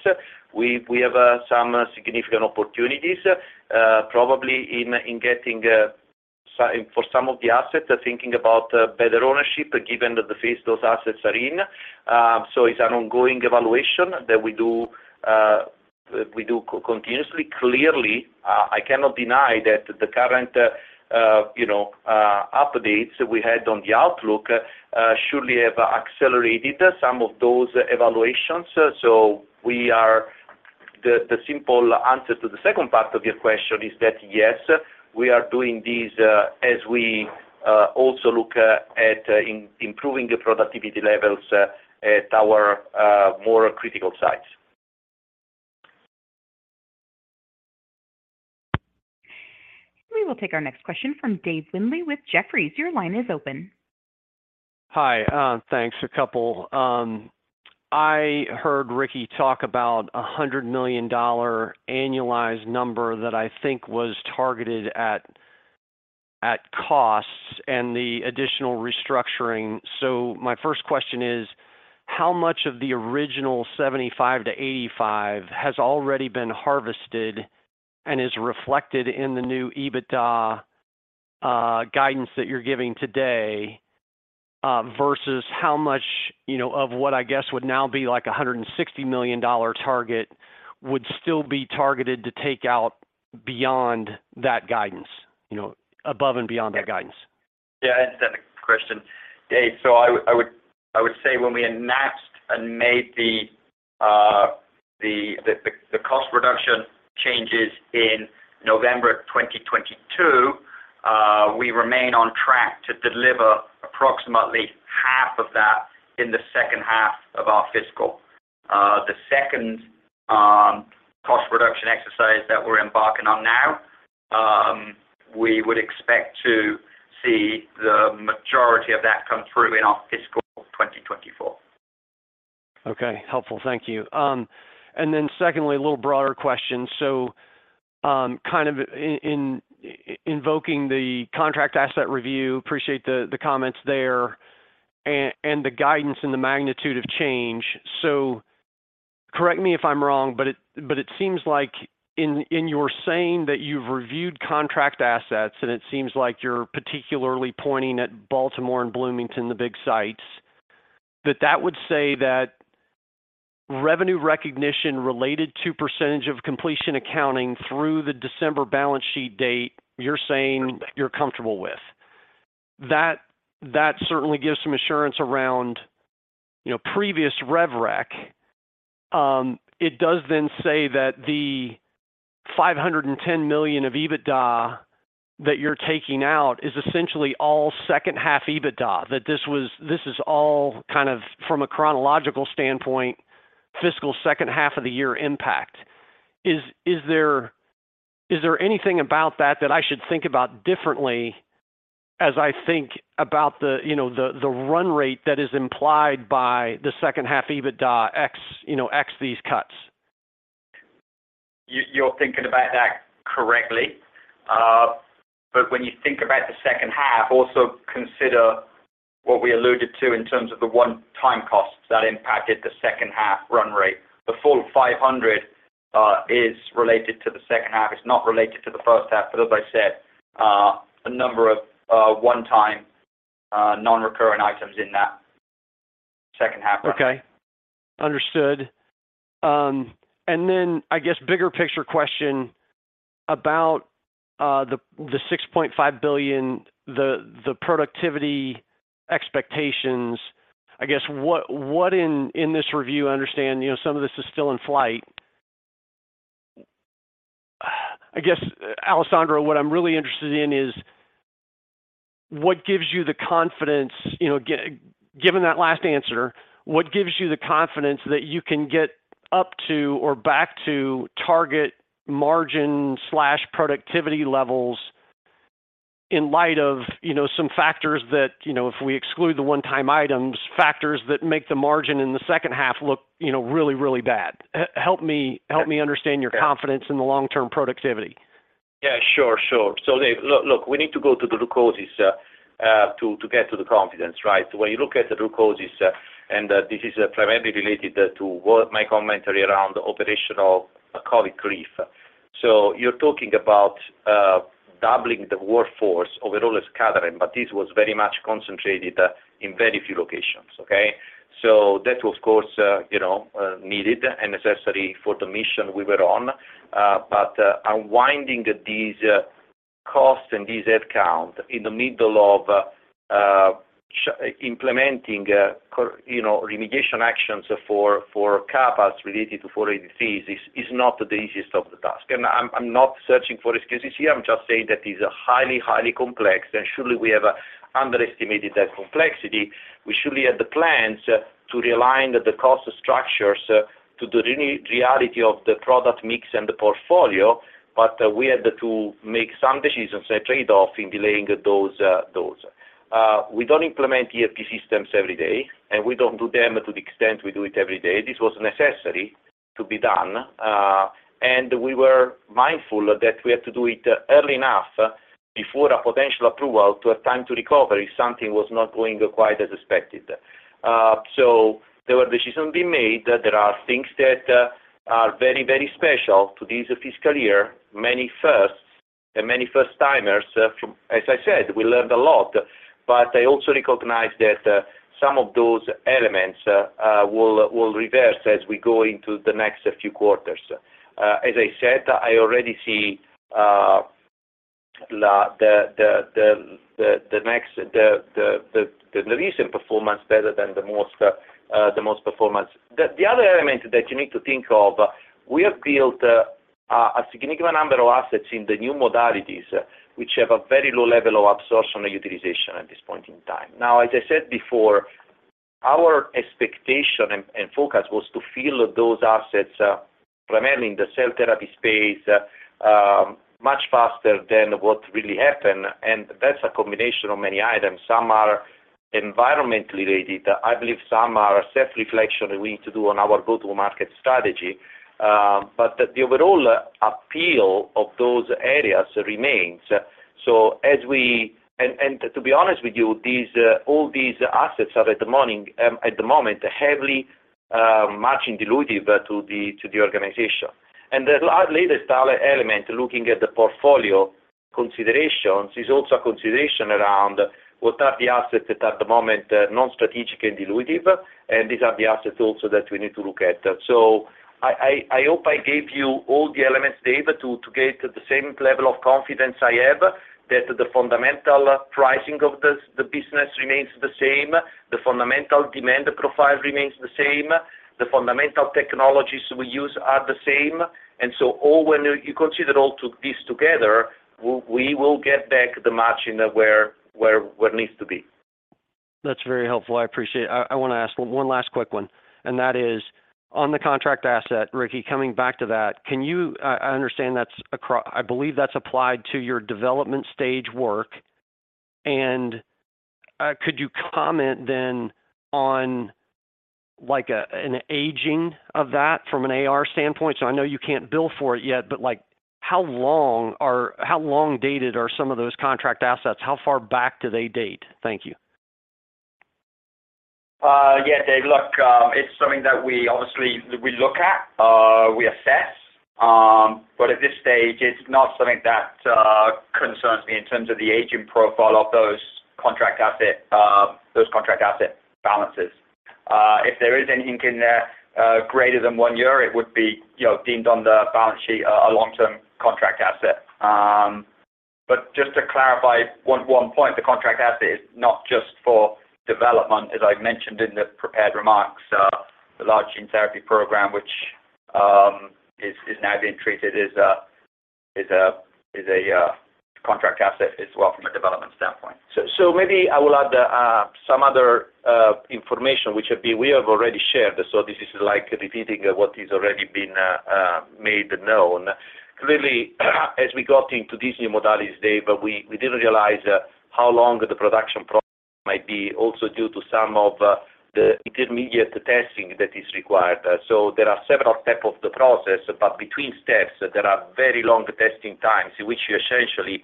[SPEAKER 3] we have some significant opportunities, probably in getting for some of the assets, thinking about better ownership given the phase those assets are in. It's an ongoing evaluation that we do continuously. Clearly, I cannot deny that the current, you know, updates we had on the outlook, surely have accelerated some of those evaluations. The simple answer to the second part of your question is that, yes, we are doing this, as we also look at improving the productivity levels at our more critical sites.
[SPEAKER 1] We will take our next question from Dave Windley with Jefferies. Your line is open.
[SPEAKER 8] Hi. Thanks. A couple. I heard Ricky talk about a $100 million annualized number that I think was targeted at costs and the additional restructuring. My first question is: how much of the original $75-$85 has already been harvested and is reflected in the new EBITDA guidance that you're giving today, versus how much, you know, of what I guess would now be like a $160 million target would still be targeted to take out beyond that guidance? You know, above and beyond that guidance.
[SPEAKER 3] Yeah. I understand the question, Dave. I would say when we announced and made the cost reduction changes in November 2022, we remain on track to deliver approximately
[SPEAKER 4] Half of that in the 2nd half of our fiscal. The second cost reduction exercise that we're embarking on now, we would expect to see the majority of that come through in our fiscal 2024.
[SPEAKER 8] Okay. Helpful. Thank you. Secondly, a little broader question. kind of invoking the contract asset review, appreciate the comments there and the guidance and the magnitude of change. Correct me if I'm wrong, but it seems like in your saying that you've reviewed contract assets, and it seems like you're particularly pointing at Baltimore and Bloomington, the big sites, that would say that revenue recognition related to percentage-of-completion accounting through the December balance sheet date, you're saying you're comfortable with. That certainly gives some assurance around, you know, previous rev rec. It does then say that the $510 million of EBITDA that you're taking out is essentially all 2nd half EBITDA. This is all kind of from a chronological standpoint, fiscal 2nd half of the year impact. Is there anything about that that I should think about differently as I think about the, you know, the run rate that is implied by the 2nd half EBITDA ex these cuts?
[SPEAKER 4] You're thinking about that correctly. When you think about the 2nd half, also consider what we alluded to in terms of the one-time costs that impacted the 2nd half run rate. The full 500 is related to the 2nd half. It's not related to the 1st half. As I said, a number of one-time non-recurring items in that 2nd half run.
[SPEAKER 8] Okay. Understood. I guess bigger picture question about the $6.5 billion, the productivity expectations. I guess what in this review I understand, you know, some of this is still in flight. I guess, Alessandro, what I'm really interested in is what gives you the confidence, you know, given that last answer, what gives you the confidence that you can get up to or back to target margin/productivity levels in light of, you know, some factors that, you know, if we exclude the one-time items, factors that make the margin in the 2nd half look, you know, really, really bad? Help me understand your confidence in the long-term productivity?
[SPEAKER 3] Sure, sure. Dave, look, we need to go to the root causes to get to the confidence, right? When you look at the root causes, this is primarily related to what my commentary around the operational COVID grief. You're talking about doubling the workforce overall as Catalent, but this was very much concentrated in very few locations, okay? That was of course, you know, needed and necessary for the mission we were on. Unwinding these costs and these head count in the middle of implementing, you know, remediation actions for CapEx related to 4 ADTs is not the easiest of the task. I'm not searching for excuses here. I'm just saying that is highly complex, and surely we have underestimated that complexity. We surely had the plans to realign the cost structures to the real-reality of the product mix and the portfolio, but we had to make some decisions and trade-off in delaying those. We don't implement ERP systems every day, and we don't do them to the extent we do it every day. This was necessary to be done, and we were mindful that we had to do it early enough before a potential approval to have time to recover if something was not going quite as expected. There were decisions being made. There are things that are very special to this fiscal year, many firsts and many first-timers. As I said, we learned a lot, but I also recognize that some of those elements will reverse as we go into the next few quarters. As I said, I already see the next, the recent performance better than the most performance. The other element that you need to think of, we have built a significant number of assets in the new modalities, which have a very low level of absorption and utilization at this point in time. Now, as I said before, our expectation and focus was to fill those assets, primarily in the cell therapy space, much faster than what really happened, and that's a combination of many items. Some are environmentally related. I believe some are self-reflection we need to do on our go-to-market strategy, but the overall appeal of those areas remains. To be honest with you, all these assets are at the morning, at the moment, heavily much dilutive to the organization. The latest element looking at the portfolio considerations is also a consideration around what are the assets that at the moment non-strategic and dilutive, and these are the assets also that we need to look at. I hope I gave you all the elements, Dave, to get the same level of confidence I have that the fundamental pricing of the business remains the same, the fundamental demand profile remains the same, the fundamental technologies we use are the same. All when you consider all to this together, we will get back the margin where it needs to be.
[SPEAKER 8] That's very helpful. I appreciate. I wanna ask one last quick one, and that is on the contract asset, Ricky, coming back to that. I understand I believe that's applied to your development stage work. Could you comment then on like a, an aging of that from an AR standpoint? I know you can't bill for it yet, but, like, how long dated are some of those contract assets? How far back do they date? Thank you.
[SPEAKER 4] Yeah, Dave. Look, it's something that we obviously, we look at, we assess. At this stage, it's not something that concerns me in terms of the aging profile of those contract asset, those contract asset balances. If there is anything in there greater than one year, it would be, you know, deemed on the balance sheet a long-term contract asset. Just to clarify one point, the contract asset is not just for development. As I mentioned in the prepared remarks, the large gene therapy program, which is now being treated as a contract asset as well from a development standpoint.
[SPEAKER 3] Maybe I will add some other information we have already shared, this is like repeating what is already been made known. Clearly, as we got into these new modalities, Dave, we didn't realize how long the production process might be also due to some of the intermediate testing that is required. There are several type of the process, but between steps, there are very long testing times in which you essentially,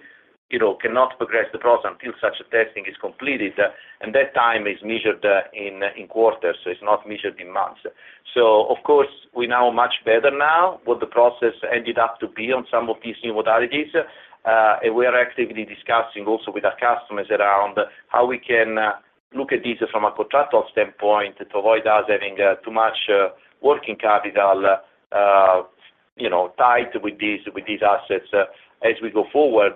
[SPEAKER 3] you know, cannot progress the process until such testing is completed. And that time is measured in quarters. It's not measured in months. Of course, we know much better now what the process ended up to be on some of these new modalities. We are actively discussing also with our customers around how we can look at this from a contractual standpoint to avoid us having too much working capital, you know, tied with these assets as we go forward,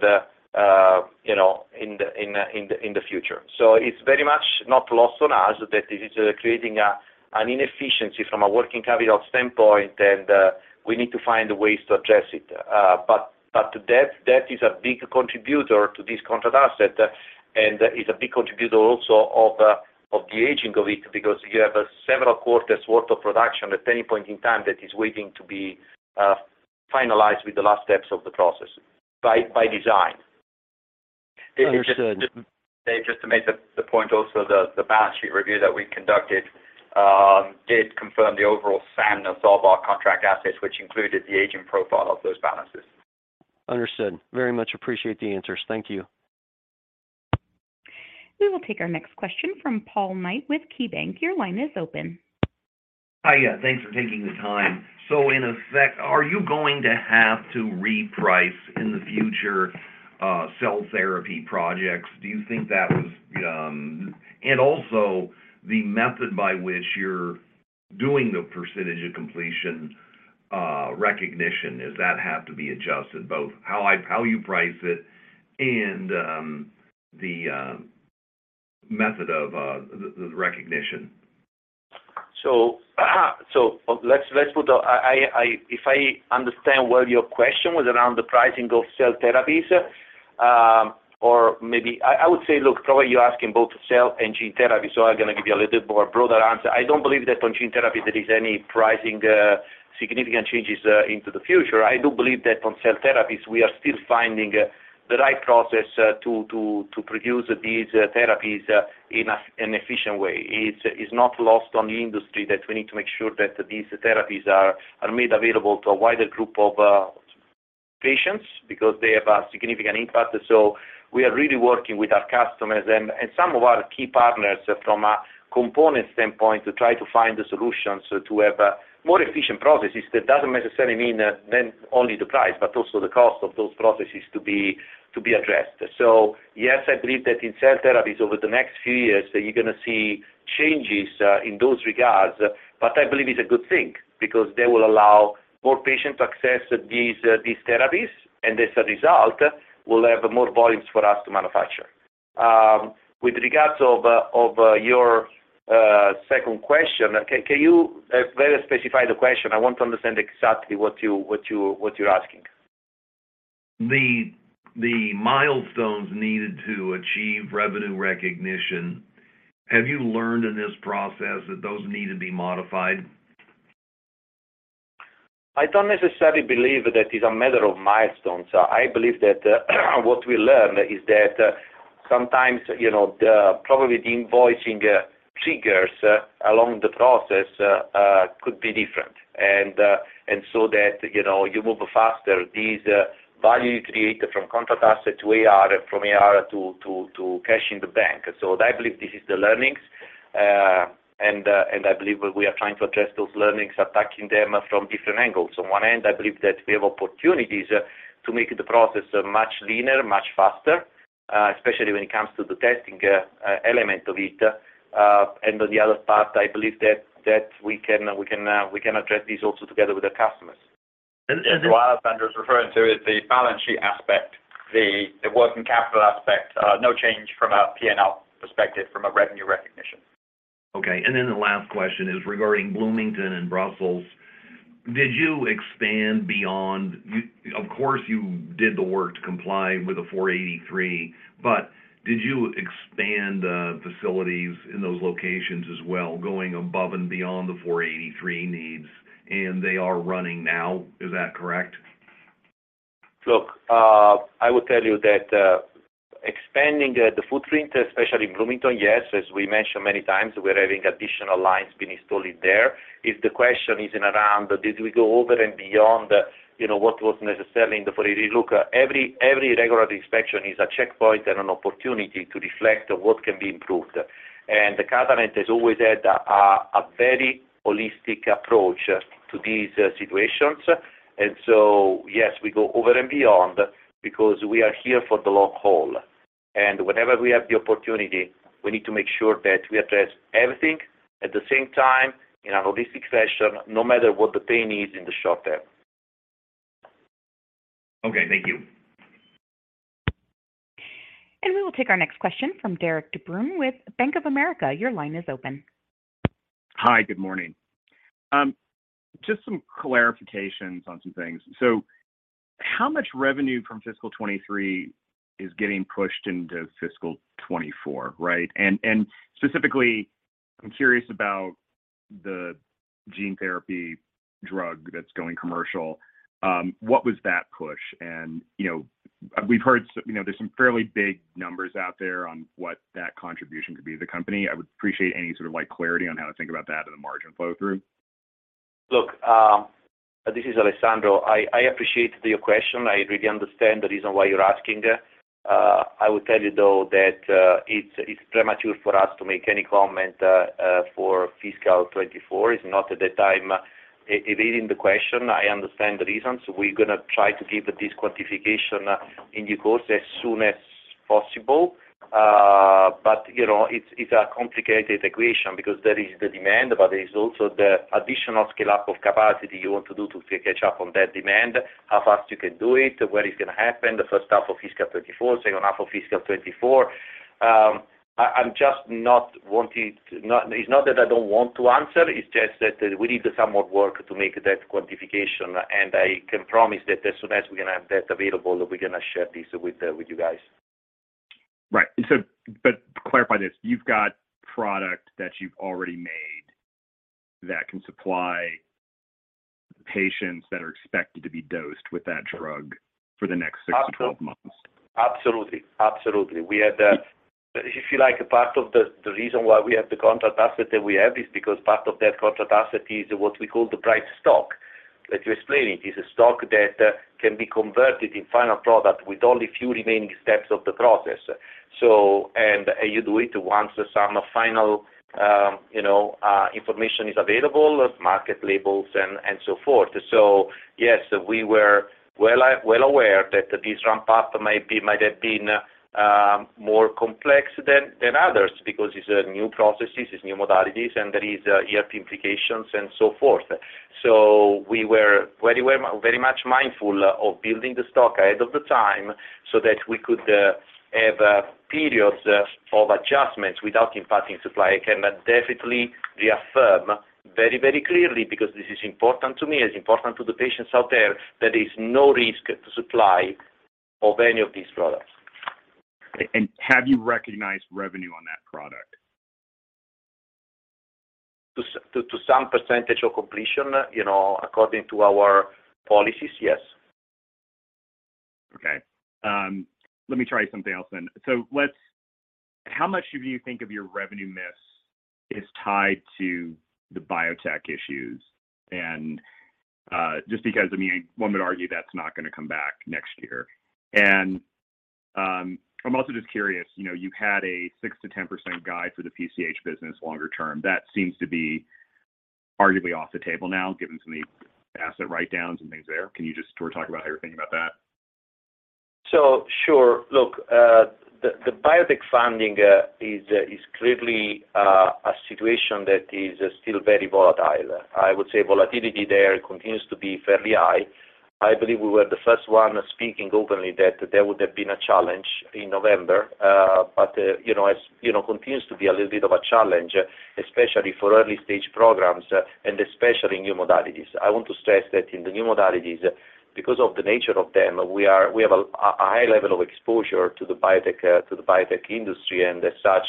[SPEAKER 3] you know, in the future. It's very much not lost on us that it is creating an inefficiency from a working capital standpoint, and we need to find ways to address it. That is a big contributor to this contract asset, and is a big contributor also of the aging of it, because you have several quarters worth of production at any point in time that is waiting to be finalized with the last steps of the process by design.
[SPEAKER 8] Understood.
[SPEAKER 4] Dave, just to make the point also, the balance sheet review that we conducted, did confirm the overall stand of all of our contract assets, which included the aging profile of those balances.
[SPEAKER 8] Understood. Very much appreciate the answers. Thank you.
[SPEAKER 1] We will take our next question from Paul Knight with KeyBanc Capital Markets. Your line is open.
[SPEAKER 9] Hi. Thanks for taking the time. In effect, are you going to have to reprice in the future, cell therapy projects? Do you think that was? Also, the method by which you're doing the percentage of completion, recognition, does that have to be adjusted both how you price it and the method of the recognition?
[SPEAKER 3] If I understand well your question was around the pricing of cell therapies, or maybe, I would say, look, probably you're asking both cell and gene therapy, so I'm gonna give you a little bit more broader answer. I don't believe that on gene therapy there is any pricing significant changes into the future. I do believe that on cell therapies, we are still finding the right process to produce these therapies in an efficient way. It's not lost on the industry that we need to make sure that these therapies are made available to a wider group of patients because they have a significant impact. We are really working with our customers and some of our key partners from a component standpoint to try to find the solutions to have more efficient processes. That doesn't necessarily mean then only the price, but also the cost of those processes to be addressed. Yes, I believe that in cell therapies over the next few years, you're gonna see changes in those regards, but I believe it's a good thing because they will allow more patients access these therapies, and as a result, will have more volumes for us to manufacture. With regards of your second question, can you better specify the question? I want to understand exactly what you're asking.
[SPEAKER 9] The milestones needed to achieve revenue recognition, have you learned in this process that those need to be modified?
[SPEAKER 3] I don't necessarily believe that it's a matter of milestones. I believe that what we learned is that sometimes, you know, probably the invoicing triggers along the process could be different. That, you know, you move faster. These value you create from contract asset to AR, from AR to cash in the bank. I believe this is the learnings. I believe we are trying to address those learnings, attacking them from different angles. On one end, I believe that we have opportunities to make the process much leaner, much faster, especially when it comes to the testing element of it. On the other part, I believe that we can address this also together with the customers.
[SPEAKER 4] What Alessandro is referring to is the balance sheet aspect, the working capital aspect. No change from a P&L perspective from a revenue recognition
[SPEAKER 9] Okay. The last question is regarding Bloomington and Brussels. Did you expand Of course you did the work to comply with the 483, but did you expand facilities in those locations as well, going above and beyond the 483 needs and they are running now? Is that correct?
[SPEAKER 3] Look, I will tell you that expanding the footprint, especially in Bloomington, yes. As we mentioned many times, we're having additional lines being installed there. If the question is in around did we go over and beyond, you know, what was necessary in the 483? Look, every regulatory inspection is a checkpoint and an opportunity to reflect on what can be improved. Catalent has always had a very holistic approach to these situations. Yes, we go over and beyond because we are here for the long haul. Whenever we have the opportunity, we need to make sure that we address everything at the same time in a holistic fashion, no matter what the pain is in the short term.
[SPEAKER 9] Okay. Thank you.
[SPEAKER 1] We will take our next question from Derik De Bruin with Bank of America. Your line is open.
[SPEAKER 10] Hi. Good morning. Just some clarifications on some things. How much revenue from fiscal 2023 is getting pushed into fiscal 2024, right? Specifically, I'm curious about the gene therapy drug that's going commercial. What was that push? You know, we've heard some, you know, there's some fairly big numbers out there on what that contribution could be to the company. I would appreciate any sort of, like, clarity on how to think about that and the margin flow through.
[SPEAKER 3] Look, this is Alessandro. I appreciate your question. I really understand the reason why you're asking. I will tell you, though, that it's premature for us to make any comment for fiscal 2024. It's not the time. Evading the question, I understand the reasons. We're gonna try to give this quantification in due course as soon as possible. You know, it's a complicated equation because there is the demand, but there is also the additional scale-up of capacity you want to do to catch up on that demand, how fast you can do it, where it's gonna happen, the 1st half of fiscal 2024, 2nd half of fiscal 2024. I'm just not wanting to-- It's not that I don't want to answer, it's just that we need some more work to make that quantification, I can promise that as soon as we're gonna have that available, we're gonna share this with you guys.
[SPEAKER 10] Clarify this, you've got product that you've already made that can supply patients that are expected to be dosed with that drug for the next six to 12 months.
[SPEAKER 3] Absolutely. Absolutely. We had, if you like, part of the reason why we have the contract asset that we have is because part of that contract asset is what we call the bright stock. Let me explain it. It's a stock that can be converted in final product with only few remaining steps of the process. You do it once some final, you know, information is available, market labels and so forth. Yes, we were well aware that this ramp path might be, might have been more complex than others because it's a new processes, it's new modalities, and there is ERP implications and so forth. We were very well, very much mindful of building the stock ahead of the time so that we could have periods of adjustments without impacting supply. I can definitely reaffirm very, very clearly because this is important to me, it's important to the patients out there is no risk to supply of any of these products.
[SPEAKER 10] Have you recognized revenue on that product?
[SPEAKER 3] To some % of completion, you know, according to our policies, yes.
[SPEAKER 10] Okay. Let me try something else then. How much do you think of your revenue miss is tied to the biotech issues? Just because, I mean, one would argue that's not gonna come back next year. I'm also just curious, you know, you had a 6% to 10% guide for the PCH business longer term. That seems to be arguably off the table now, given some of the asset write-downs and things there. Can you just sort of talk about how you're thinking about that?
[SPEAKER 3] Sure. Look, the biotech funding is clearly a situation that is still very volatile. I would say volatility there continues to be fairly high. I believe we were the first one speaking openly that there would have been a challenge in November. You know, as you know, continues to be a little bit of a challenge, especially for early-stage programs and especially new modalities. I want to stress that in the new modalities, because of the nature of them, we have a high level of exposure to the biotech industry and as such,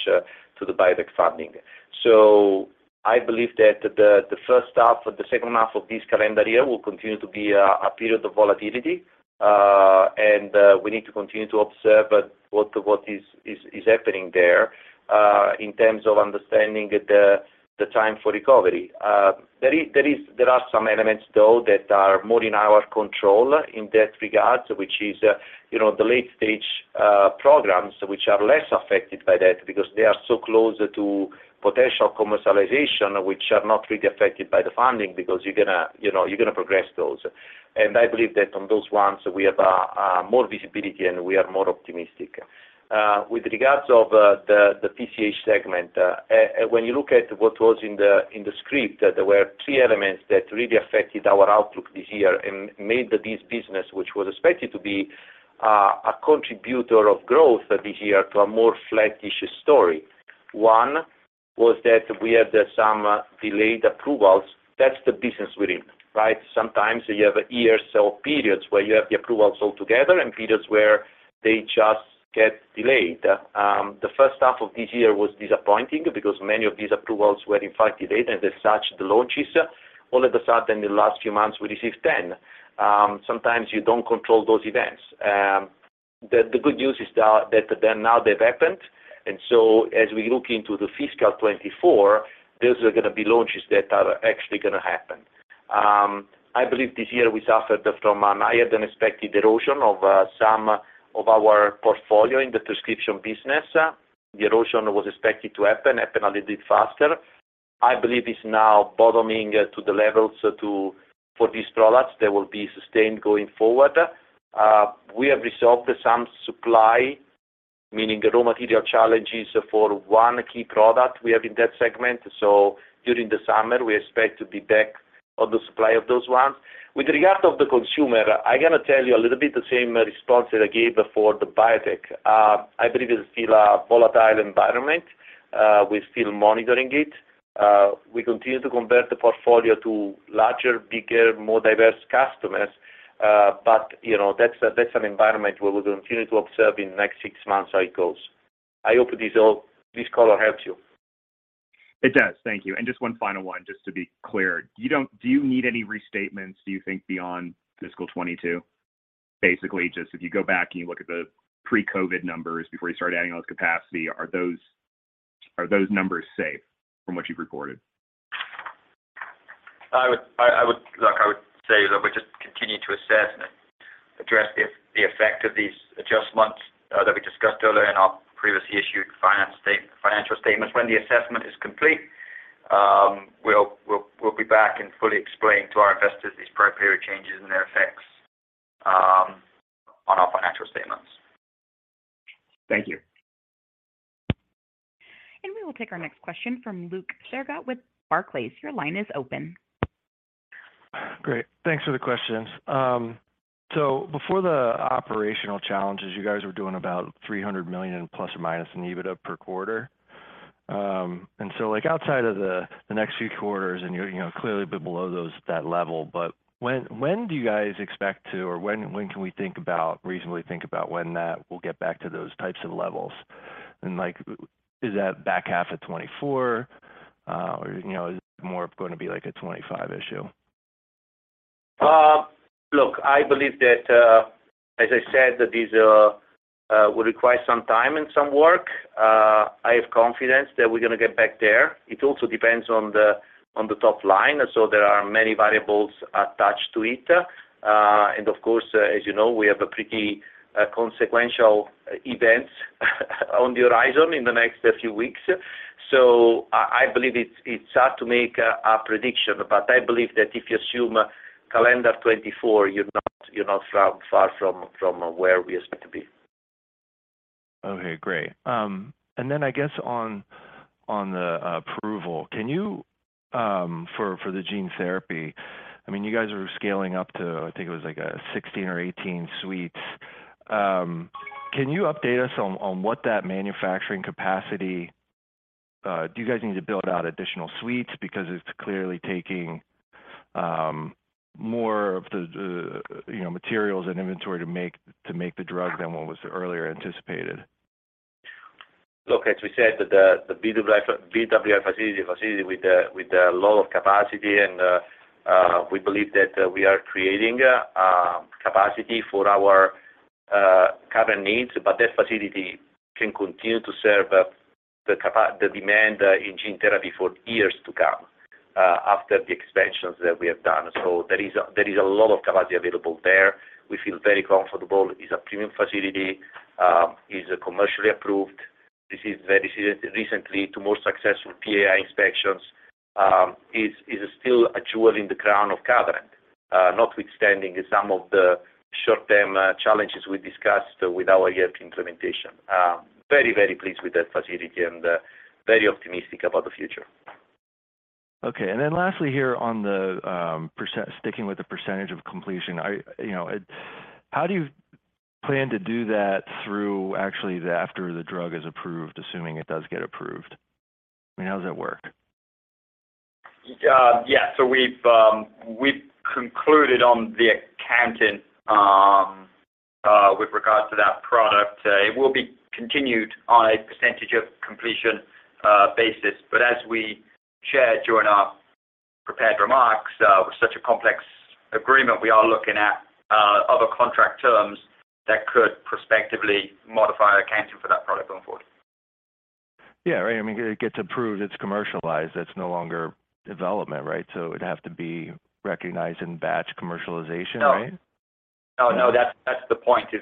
[SPEAKER 3] to the biotech funding. I believe that the 1st half or the 2nd half of this calendar year will continue to be a period of volatility, and we need to continue to observe at what is happening there in terms of understanding the time for recovery. There are some elements, though, that are more in our control in that regard, which is, you know, the late-stage programs which are less affected by that because they are so close to potential commercialization, which are not really affected by the funding because you're gonna, you know, you're gonna progress those. I believe that on those ones we have more visibility and we are more optimistic. With regards of the PCH segment, when you look at what was in the script, there were three elements that really affected our outlook this year and made this business, which was expected to be a contributor of growth this year to a more flattish story. One was that we had some delayed approvals. That's the business we're in, right? Sometimes you have a year or so periods where you have the approvals all together and periods where they just get delayed. The 1st half of this year was disappointing because many of these approvals were in fact delayed, and as such, the launches, all of a sudden, in the last few months, we received 10. Sometimes you don't control those events. The good news is that now they've happened. As we look into the fiscal 2024, those are gonna be launches that are actually gonna happen. I believe this year we suffered from a higher-than-expected erosion of some of our portfolio in the prescription business. The erosion was expected to happen, happened a little bit faster. I believe it's now bottoming to the levels for these products that will be sustained going forward. We have resolved some supply, meaning raw material challenges for one key product we have in that segment. During the summer, we expect to be back on the supply of those ones. With regard of the consumer, I'm gonna tell you a little bit the same response that I gave for the biotech. I believe it's still a volatile environment. We're still monitoring it. We continue to convert the portfolio to larger, bigger, more diverse customers. You know, that's an environment where we're going to continue to observe in the next 6 months cycles. I hope this call helps you.
[SPEAKER 10] It does. Thank you. Just one final one, just to be clear. Do you need any restatements, do you think, beyond fiscal 2022? Basically, just if you go back and you look at the pre-COVID numbers before you started adding all this capacity, are those numbers safe from what you've recorded?
[SPEAKER 3] I would Look, I would say that we're just continuing to assess and address the effect of these adjustments that we discussed earlier in our previously issued financial statements. When the assessment is complete, we'll be back and fully explain to our investors these prior period changes and their effects on our financial statements.
[SPEAKER 10] Thank you.
[SPEAKER 1] We will take our next question from Luke Sergott with Barclays. Your line is open.
[SPEAKER 11] Great. Thanks for the questions. Before the operational challenges, you guys were doing about $300 million± in EBITDA per quarter. Like, outside of the next few quarters, and you're, you know, clearly a bit below those, that level. When can we reasonably think about when that will get back to those types of levels? Like, is that back half of 2024? Or, you know, is it more going to be like a 2025 issue?
[SPEAKER 3] Look, I believe that as I said, that this will require some time and some work. I have confidence that we're gonna get back there. It also depends on the top line. There are many variables attached to it. Of course, as you know, we have a pretty consequential events on the horizon in the next few weeks. I believe it's hard to make a prediction, but I believe that if you assume calendar 2024, you're not far from where we expect to be.
[SPEAKER 11] Okay, great. Then I guess on the approval, can you for the gene therapy, I mean, you guys are scaling up to, I think it was like, 16 or 18 suites. Can you update us on what that manufacturing capacity? Do you guys need to build out additional suites? It's clearly taking more of the, you know, materials and inventory to make the drug than what was earlier anticipated.
[SPEAKER 3] Look, as we said, the BWI facility is a facility with a lot of capacity and we believe that we are creating capacity for our current needs, but that facility can continue to serve the demand in gene therapy for years to come after the expansions that we have done. There is a lot of capacity available there. We feel very comfortable. It's a premium facility. It's commercially approved, recently to more successful PAI inspections. Is still a jewel in the crown of Catalent, notwithstanding some of the short-term challenges we discussed with our yet implementation. Very pleased with that facility and very optimistic about the future.
[SPEAKER 11] Okay. Lastly here on the, sticking with the percentage of completion. I, you know, how do you plan to do that through actually after the drug is approved, assuming it does get approved? I mean, how does that work?
[SPEAKER 3] Yeah. We've concluded on the accounting with regards to that product. It will be continued on a percentage of completion basis. As we shared during our prepared remarks with such a complex agreement, we are looking at other contract terms that could prospectively modify our accounting for that product going forward.
[SPEAKER 11] Yeah. Right. I mean, it gets approved, it's commercialized, it's no longer development, right? It would have to be recognized in batch commercialization, right?
[SPEAKER 3] No. No, no, that's the point is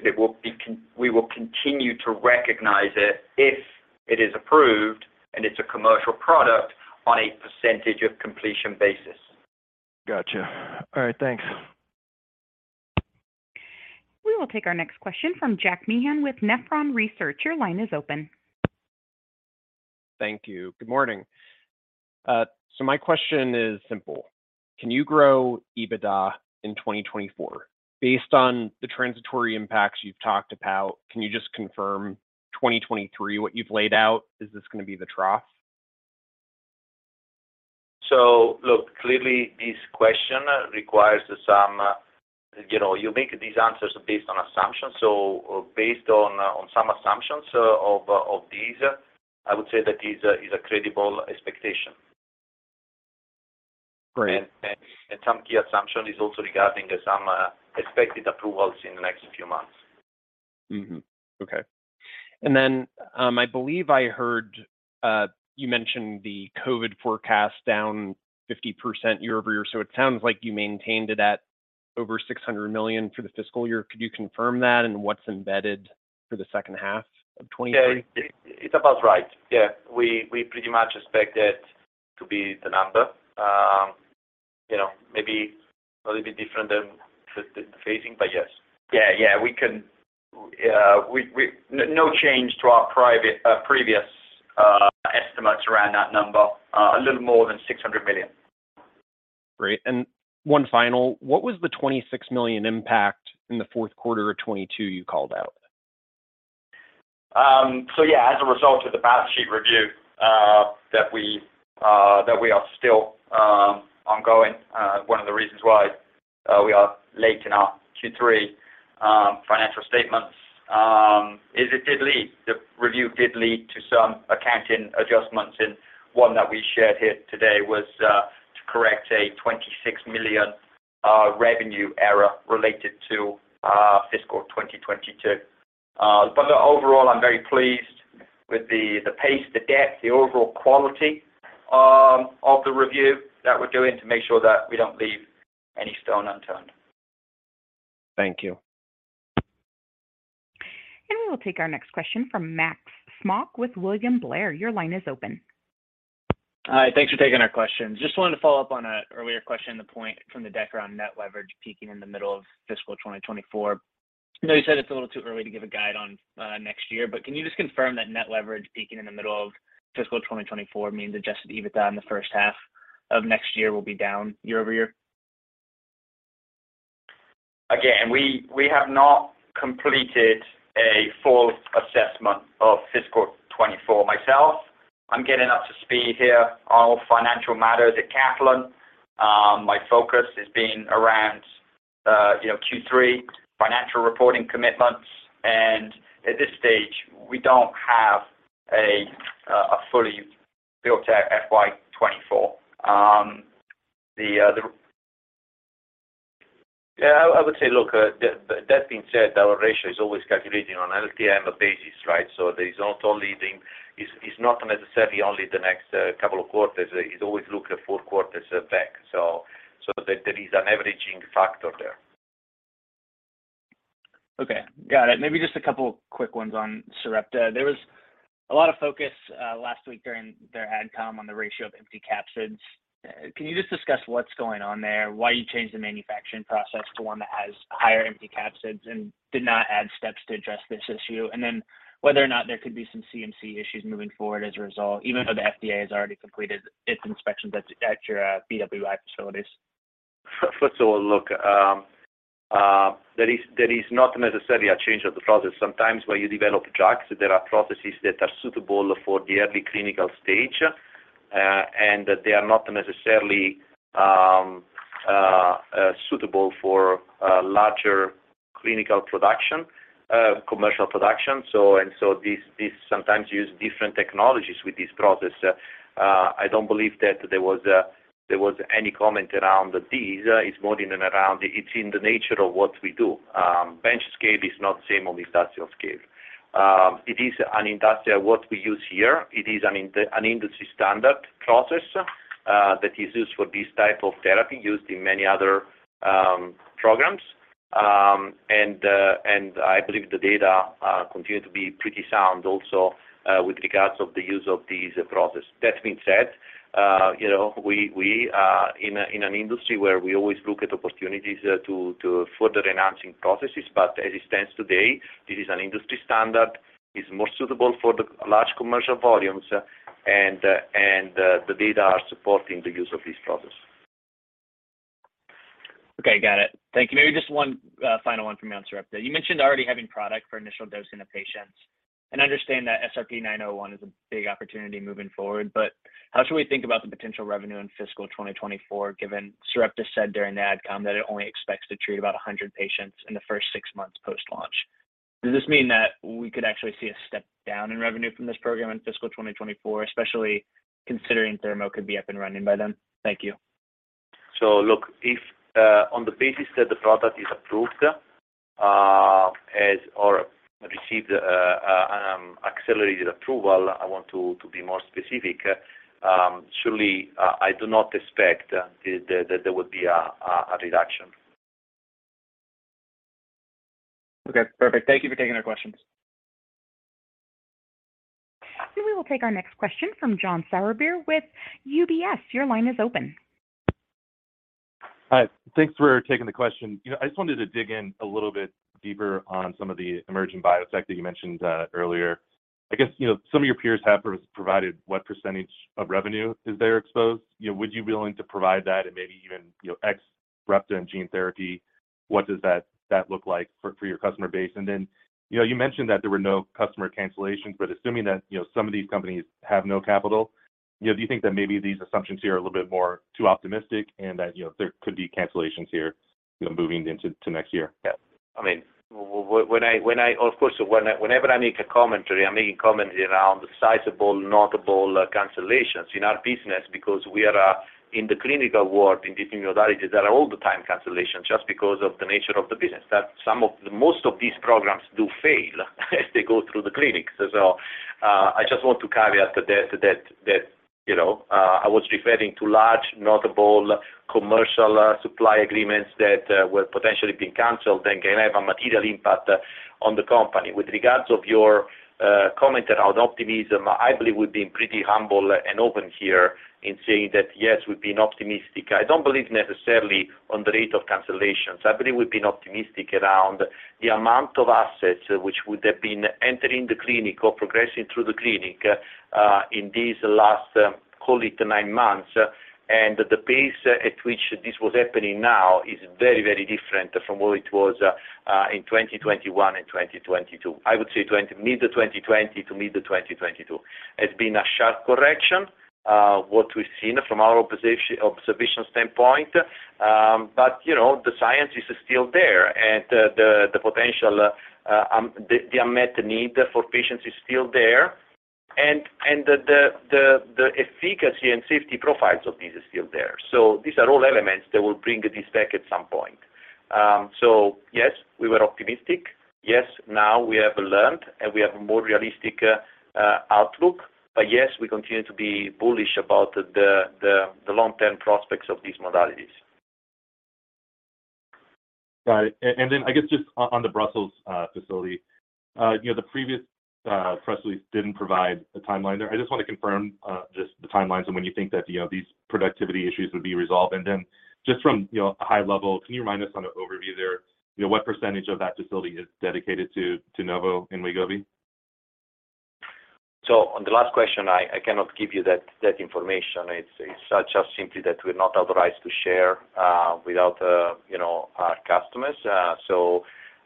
[SPEAKER 3] we will continue to recognize it if it is approved and it's a commercial product on a percentage-of-completion basis.
[SPEAKER 11] Gotcha. All right. Thanks.
[SPEAKER 1] We will take our next question from Jack Meehan with Nephron Research. Your line is open.
[SPEAKER 12] Thank you. Good morning. My question is simple: Can you grow EBITDA in 2024? Based on the transitory impacts you've talked about, can you just confirm 2023, what you've laid out, is this gonna be the trough?
[SPEAKER 3] Look, clearly this question requires some, you know. You make these answers based on assumptions. Based on some assumptions of these, I would say that is a credible expectation.
[SPEAKER 12] Great.
[SPEAKER 3] Some key assumption is also regarding some expected approvals in the next few months.
[SPEAKER 12] Okay. I believe I heard you mention the COVID forecast down 50% year-over-year. It sounds like you maintained it at over $600 million for the fiscal year. Could you confirm that and what's embedded for the 2nd half of 2023?
[SPEAKER 3] Yeah, it's about right. Yeah. We pretty much expect it to be the number, you know, maybe a little bit different than the phasing, but yes. Yeah, we can. No change to our previous estimates around that number, a little more than $600 million.
[SPEAKER 12] Great. one final, what was the $26 million impact in the fourth quarter of 2022 you called out?
[SPEAKER 3] Yeah, as a result of the balance sheet review that we are still ongoing, one of the reasons why we are late in our Q3 financial statements, is the review did lead to some accounting adjustments. One that we shared here today was to correct a $26 million revenue error related to fiscal 2022. Overall, I'm very pleased with the pace, the depth, the overall quality of the review that we're doing to make sure that we don't leave any stone unturned.
[SPEAKER 12] Thank you.
[SPEAKER 1] We will take our next question from Max Smock with William Blair. Your line is open.
[SPEAKER 13] Hi. Thanks for taking our questions. Just wanted to follow up on a earlier question, the point from the deck around net leverage peaking in the middle of fiscal 2024. I know you said it's a little too early to give a guide on next year, can you just confirm that net leverage peaking in the middle of fiscal 2024 means Adjusted EBITDA in the 1st half of next year will be down year-over-year?
[SPEAKER 3] Again, we have not completed a full assessment of fiscal 2024 myself. I'm getting up to speed here on all financial matters at Catalent. My focus has been around, you know, Q3 financial reporting commitments. At this stage, we don't have a fully built out FY 2024. Yeah, I would say, look, that being said, our ratio is always calculating on LTM basis, right? There is not only. It's not necessarily only the next couple of quarters. It always look the 4 quarters back. That there is an averaging factor there.
[SPEAKER 13] Okay. Got it. Maybe just a couple quick ones on Sarepta. There was a lot of focus last week during their AdCom on the ratio of empty capsids. Can you just discuss what's going on there, why you changed the manufacturing process to one that has higher empty capsids and did not add steps to address this issue? Whether or not there could be some CMC issues moving forward as a result, even though the FDA has already completed its inspections at your BWI facilities.
[SPEAKER 3] First of all, look, there is not necessarily a change of the process. Sometimes where you develop drugs, there are processes that are suitable for the early clinical stage, and they are not necessarily suitable for larger clinical production, commercial production. This sometimes use different technologies with this process. I don't believe that there was any comment around these. It's more in and around. It's in the nature of what we do. Bench scale is not same on industrial scale. It is an industrial, what we use here, it is an industry standard process that is used for this type of therapy used in many other programs. I believe the data continue to be pretty sound also, with regards of the use of this process. That being said, you know, we are in an industry where we always look at opportunities to further enhancing processes. As it stands today, this is an industry standard, is more suitable for the large commercial volumes and the data are supporting the use of this process.
[SPEAKER 13] Okay, got it. Thank you. Maybe just one final one for me on Sarepta. You mentioned already having product for initial dosing of patients and understand that SRP-9001 is a big opportunity moving forward. How should we think about the potential revenue in fiscal 2024, given Sarepta said during the AdCom that it only expects to treat about 100 patients in the 1st six months post-launch. Does this mean that we could actually see a step down in revenue from this program in fiscal 2024, especially considering Thermo could be up and running by then? Thank you.
[SPEAKER 3] Look, if, on the basis that the product is approved, as or received, accelerated approval, I want to be more specific, surely, I do not expect that there would be a reduction.
[SPEAKER 13] Okay, perfect. Thank you for taking our questions.
[SPEAKER 1] We will take our next question from John Sourbeer with UBS. Your line is open.
[SPEAKER 14] Hi, thanks for taking the question. You know, I just wanted to dig in a little bit deeper on some of the emerging biotech that you mentioned, earlier. I guess, you know, some of your peers have provided what % of revenue is there exposed. You know, would you be willing to provide that and maybe even, you know, ex Sarepta and gene therapy, what does that look like for your customer base? You know, you mentioned that there were no customer cancellations, assuming that, you know, some of these companies have no capital, do you think that maybe these assumptions here are a little bit more too optimistic and that, you know, there could be cancellations here, you know, moving into next year?
[SPEAKER 3] Yeah. I mean, whenever I make a commentary, I'm making comments around sizable, notable cancellations in our business because we are in the clinical world, in different modalities, there are all the time cancellations just because of the nature of the business. Most of these programs do fail as they go through the clinics. I just want to caveat that, you know, I was referring to large, notable commercial supply agreements that were potentially being canceled and can have a material impact on the company. With regards of your comment around optimism, I believe we've been pretty humble and open here in saying that, yes, we've been optimistic. I don't believe necessarily on the rate of cancellations. I believe we've been optimistic around the amount of assets which would have been entering the clinic or progressing through the clinic, in these last, call it 9 months. The pace at which this was happening now is very, very different from what it was, in 2021 and 2022. I would say mid 2020 to mid 2022. It's been a sharp correction, what we've seen from our observation standpoint, but you know, the science is still there and the potential, the unmet need for patients is still there, and the efficacy and safety profiles of these is still there. These are all elements that will bring this back at some point. Yes, we were optimistic. Yes, now we have learned, and we have a more realistic outlook. Yes, we continue to be bullish about the long-term prospects of these modalities.
[SPEAKER 14] Got it. I guess just on the Brussels facility, you know, the previous press release didn't provide a timeline there. I just want to confirm, just the timelines and when you think that, you know, these productivity issues would be resolved. Just from, you know, a high level, can you remind us on an overview there, you know, what percentage of that facility is dedicated to Novo Nordisk and Wegovy?
[SPEAKER 3] On the last question, I cannot give you that information. It's just simply that we're not authorized to share, without you know, our customers.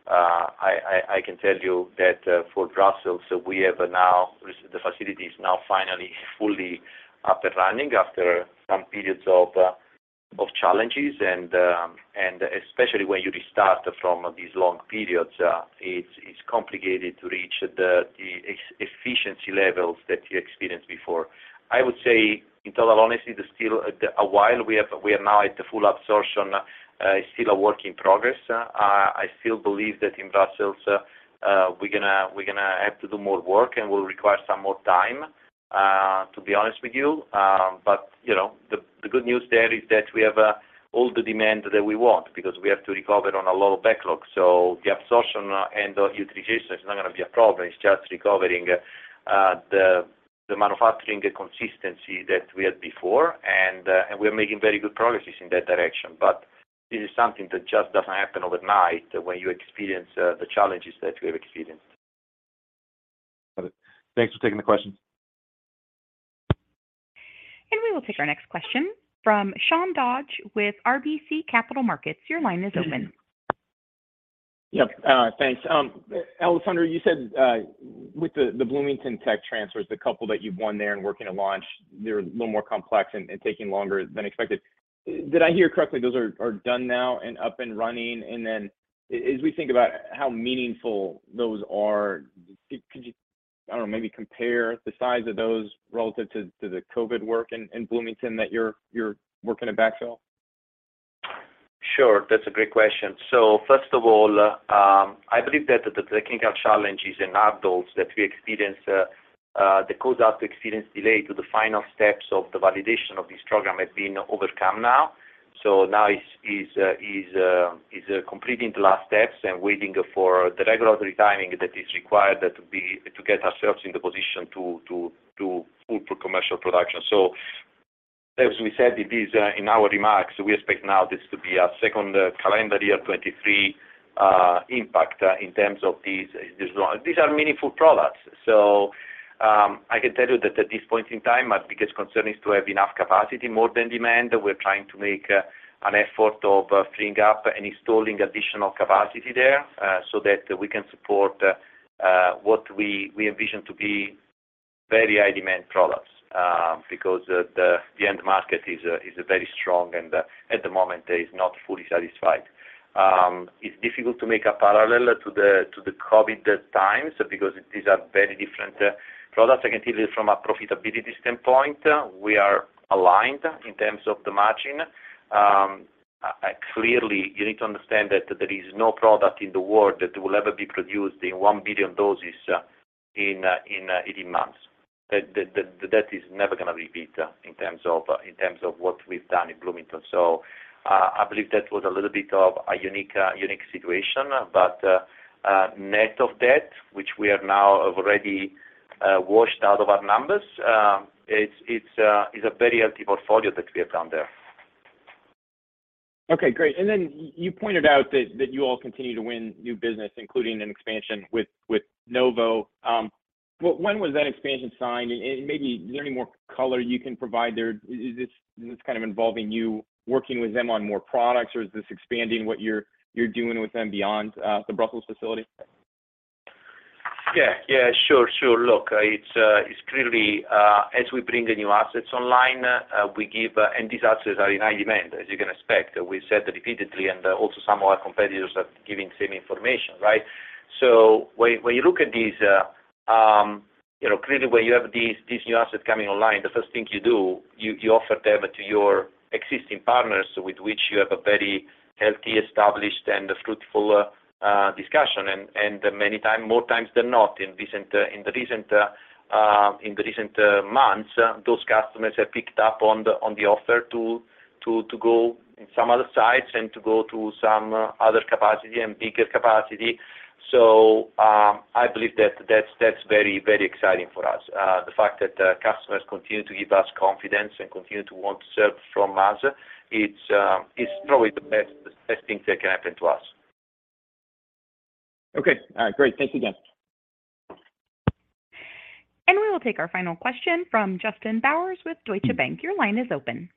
[SPEAKER 3] I can tell you that for Brussels, we have now the facility is now finally fully up and running after some periods of challenges. Especially when you restart from these long periods, it's complicated to reach the ex-efficiency levels that you experienced before. I would say in total honesty, there's still a while. We are now at the full absorption. It's still a work in progress. I still believe that in Brussels, we're gonna have to do more work, and we'll require some more time, to be honest with you. You know, the good news there is that we have all the demand that we want because we have to recover on a lot of backlogs. The absorption and utilization is not going to be a problem. It's just recovering the manufacturing consistency that we had before and we're making very good progresses in that direction. This is something that just doesn't happen overnight when you experience the challenges that we have experienced.
[SPEAKER 14] Got it. Thanks for taking the questions.
[SPEAKER 1] We will take our next question from Sean Dodge with RBC Capital Markets. Your line is open.
[SPEAKER 15] Yep. Thanks. Alessandro, you said, with the Bloomington tech transfers, the couple that you've won there and working to launch, they're a little more complex and taking longer than expected. Did I hear correctly those are done now and up and running? As we think about how meaningful those are, could you, I don't know, maybe compare the size of those relative to the COVID work in Bloomington that you're working to backfill?
[SPEAKER 3] Sure. That's a great question. First of all, I believe that the technical challenges in adults that we experience, the cause of experience delay to the final steps of the validation of this program have been overcome now. Now is completing the last steps and waiting for the regulatory timing that is required to get ourselves in the position to move to commercial production. As we said this in our remarks, we expect now this to be a second calendar year 2023, impact in terms of these. These are meaningful products. I can tell you that at this point in time, our biggest concern is to have enough capacity more than demand. We're trying to make an effort of freeing up and installing additional capacity there so that we can support what we envision to be very high demand products because the end market is very strong and at the moment is not fully satisfied. It's difficult to make a parallel to the COVID times because these are very different products. I can tell you from a profitability standpoint, we are aligned in terms of the margin. Clearly, you need to understand that there is no product in the world that will ever be produced in 1 billion doses in 18 months. That is never gonna repeat in terms of what we've done in Bloomington. I believe that was a little bit of a unique situation. net of that, which we have now already washed out of our numbers, it's a very healthy portfolio that we have down there.
[SPEAKER 15] Okay, great. You pointed out that you all continue to win new business, including an expansion with Novo. When was that expansion signed? Maybe is there any more color you can provide there? Is this kind of involving you working with them on more products, or is this expanding what you're doing with them beyond the Brussels facility?
[SPEAKER 3] Yeah, sure. Look, it's clearly as we bring the new assets online. These assets are in high demand, as you can expect. We said repeatedly, and also some of our competitors are giving same information, right? When you look at these, you know, clearly when you have these new assets coming online, the first thing you do, you offer them to your existing partners with which you have a very healthy, established, and fruitful discussion. Many time, more times than not in the recent months, those customers have picked up on the offer to go in some other sites and to go to some other capacity and bigger capacity. I believe that's very, very exciting for us. The fact that customers continue to give us confidence and continue to want to serve from us, it's probably the best thing that can happen to us.
[SPEAKER 15] Okay. All right, great. Thanks again.
[SPEAKER 1] We will take our final question from Justin Bowers with Deutsche Bank. Your line is open.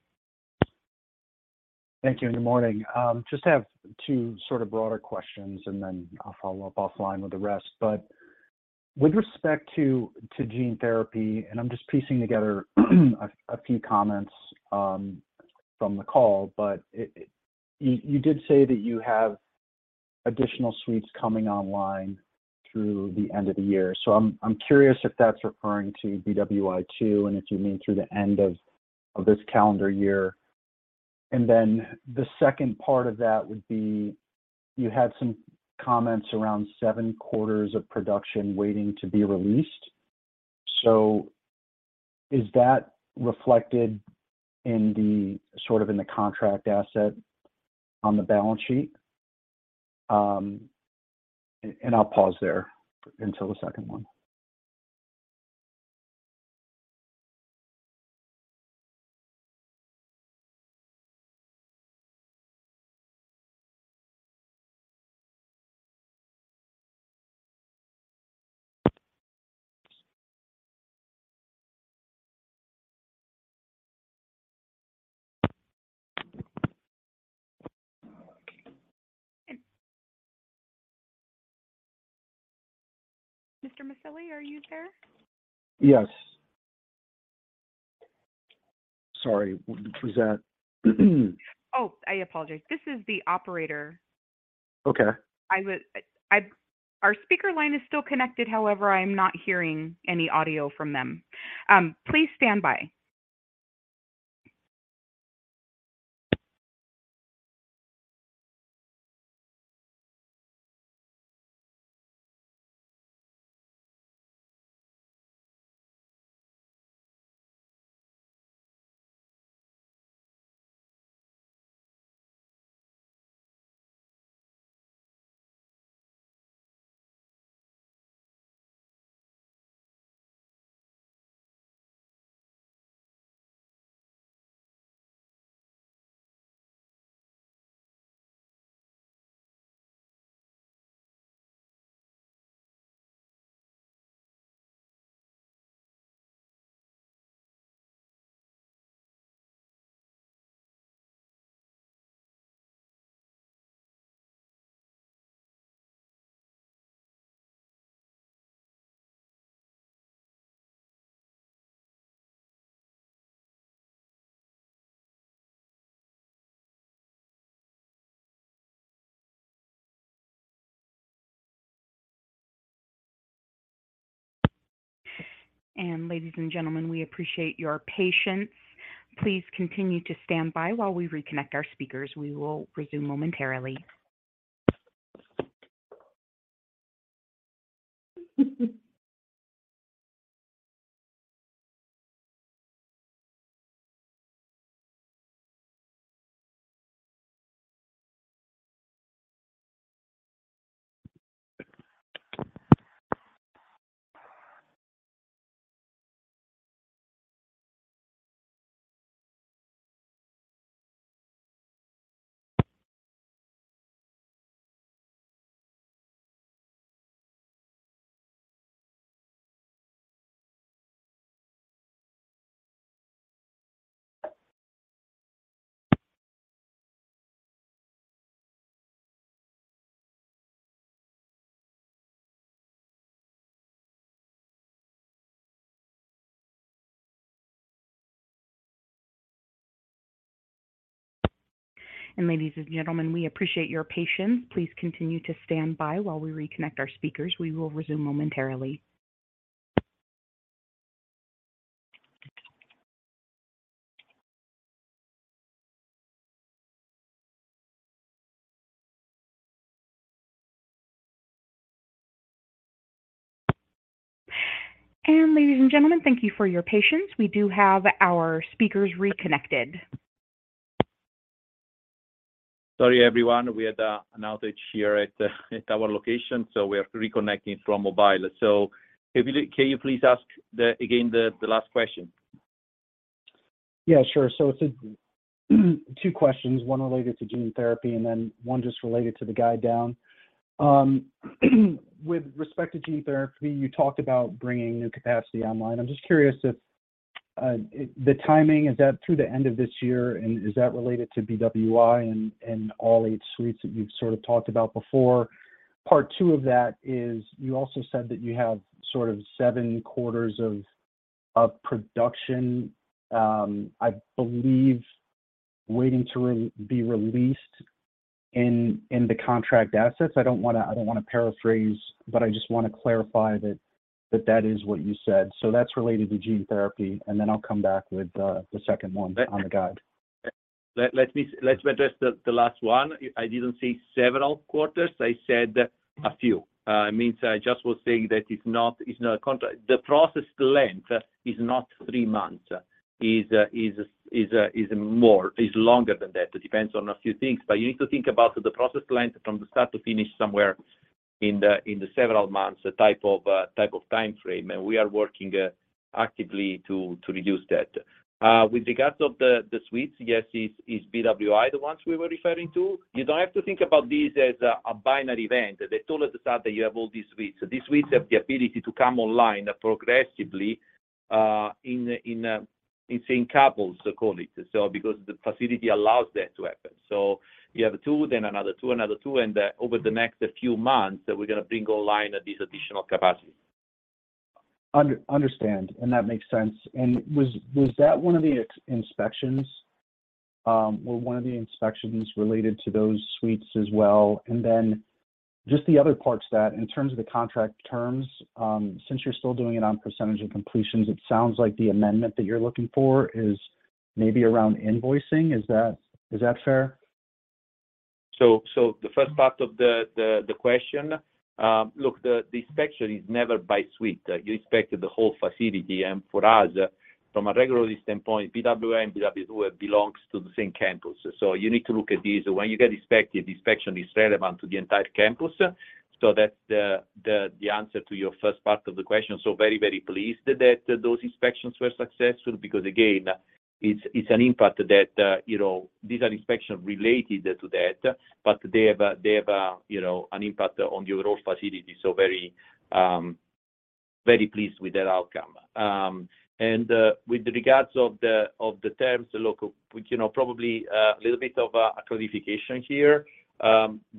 [SPEAKER 16] Thank you, good morning. Just have two sort of broader questions, then I'll follow up offline with the rest. With respect to gene therapy, and I'm just piecing together a few comments from the call, but you did say that you have additional suites coming online through the end of the year. I'm curious if that's referring to BWI 2 and if you mean through the end of this calendar year. The second part of that would be you had some comments around seven quarters of production waiting to be released. Is that reflected in the, sort of in the contract asset on the balance sheet? I'll pause there until the second one.
[SPEAKER 1] Mr. Maselli, are you there?
[SPEAKER 16] Yes. Sorry, was that...
[SPEAKER 1] Oh, I apologize. This is the operator.
[SPEAKER 16] Okay.
[SPEAKER 1] Our speaker line is still connected. However, I am not hearing any audio from them. Please stand by. Ladies and gentlemen, we appreciate your patience. Please continue to stand by while we reconnect our speakers. We will resume momentarily. Ladies and gentlemen, we appreciate your patience. Please continue to stand by while we reconnect our speakers. We will resume momentarily. Ladies and gentlemen, thank you for your patience. We do have our speakers reconnected.
[SPEAKER 3] Sorry, everyone. We had an outage here at our location, we are reconnecting from mobile. Can you please ask again the last question?
[SPEAKER 16] Yeah, sure. It's two questions, one related to gene therapy and then one just related to the guide down. With respect to gene therapy, you talked about bringing new capacity online. I'm just curious if the timing, is that through the end of this year, and is that related to BWI and all eight suites that you've sort of talked about before? Part two of that is you also said that you have sort of seven quarters of production, I believe waiting to be released in the contract assets. I don't wanna paraphrase, but I just wanna clarify that that is what you said. That's related to gene therapy. I'll come back with the second one on the guide.
[SPEAKER 3] Let me address the last one. I didn't say several quarters, I said a few. It means I just was saying that it's not, it's not a contract. The process length is not three months. Is more, is longer than that. It depends on a few things. You need to think about the process length from the start to finish somewhere in the several months type of timeframe. We are working actively to reduce that. With regards of the suites, yes, it's BWI, the ones we were referring to. You don't have to think about this as a binary event. They told us at the start that you have all these suites. These suites have the ability to come online progressively, in, in sync couples, call it, so because the facility allows that to happen. You have two, then another two, another two, and, over the next few months, we're gonna bring online this additional capacity.
[SPEAKER 16] Understand. That makes sense. Was that one of the inspections related to those suites as well? Then just the other parts that in terms of the contract terms, since you're still doing it on percentage of completions, it sounds like the amendment that you're looking for is maybe around invoicing. Is that fair?
[SPEAKER 3] The first part of the question, look, the inspection is never by suite. You inspect the whole facility. For us, from a regulatory standpoint, BWI and BWI 2 belongs to the same campus, you need to look at these. When you get inspected, the inspection is relevant to the entire campus. That's the answer to your first part of the question. Very pleased that those inspections were successful because again, it's an impact that, you know, these are inspections related to that, but they have an impact on your whole facility. Very pleased with that outcome. With regards of the terms, look, we can all probably a little bit of a clarification here.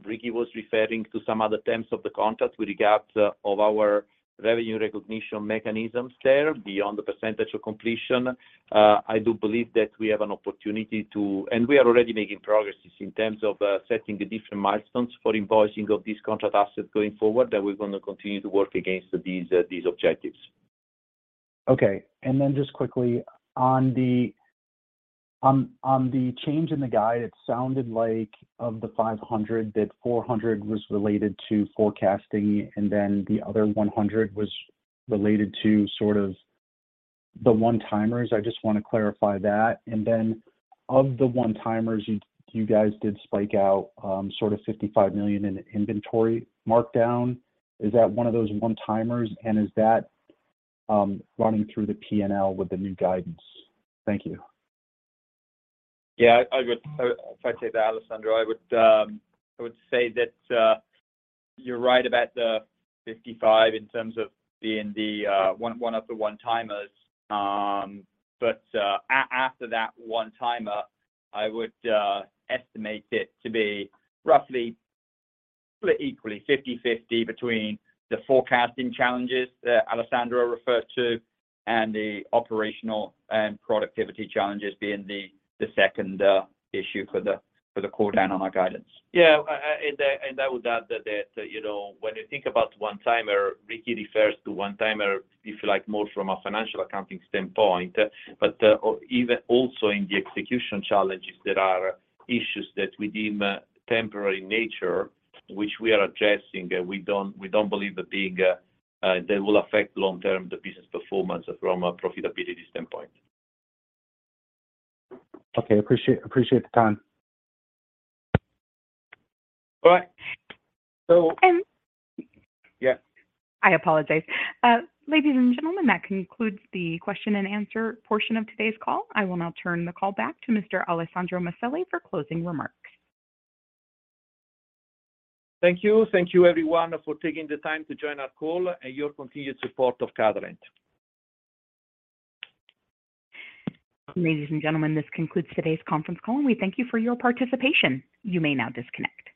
[SPEAKER 3] Ricky was referring to some other terms of the contract with regards of our revenue recognition mechanisms there beyond the percentage-of-completion. I do believe that we have an opportunity to. We are already making progresses in terms of, setting the different milestones for invoicing of this contract asset going forward, that we're gonna continue to work against these objectives.
[SPEAKER 16] Okay. Just quickly on the change in the guide, it sounded like of the $500, that $400 was related to forecasting and then the other $100 was related to sort of the one-timers. I just want to clarify that. Of the one-timers, you guys did spike out, sort of $55 million in inventory markdown. Is that one of those one-timers, and is that running through the PNL with the new guidance? Thank you.
[SPEAKER 4] Yeah, If I take that, Alessandro, I would say that you're right about the 55 in terms of being the one of the one-timers. After that one-timer, I would estimate it to be roughly split equally, 50/50 between the forecasting challenges that Alessandro referred to and the operational and productivity challenges being the second issue for the call down on our guidance.
[SPEAKER 3] Yeah. I would add that, you know, when you think about one-timer, Ricky refers to one-timer, if you like, more from a financial accounting standpoint, but even also in the execution challenges, there are issues that we deem temporary nature, which we are addressing. We don't believe that they will affect long-term the business performance from a profitability standpoint.
[SPEAKER 16] Okay. appreciate the time.
[SPEAKER 4] All right.
[SPEAKER 1] And-
[SPEAKER 4] Yeah.
[SPEAKER 1] I apologize. Ladies and gentlemen, that concludes the question and answer portion of today's call. I will now turn the call back to Mr. Alessandro Maselli for closing remarks.
[SPEAKER 3] Thank you. Thank you everyone for taking the time to join our call and your continued support of Catalent.
[SPEAKER 1] Ladies and gentlemen, this concludes today's conference call, and we thank you for your participation. You may now disconnect.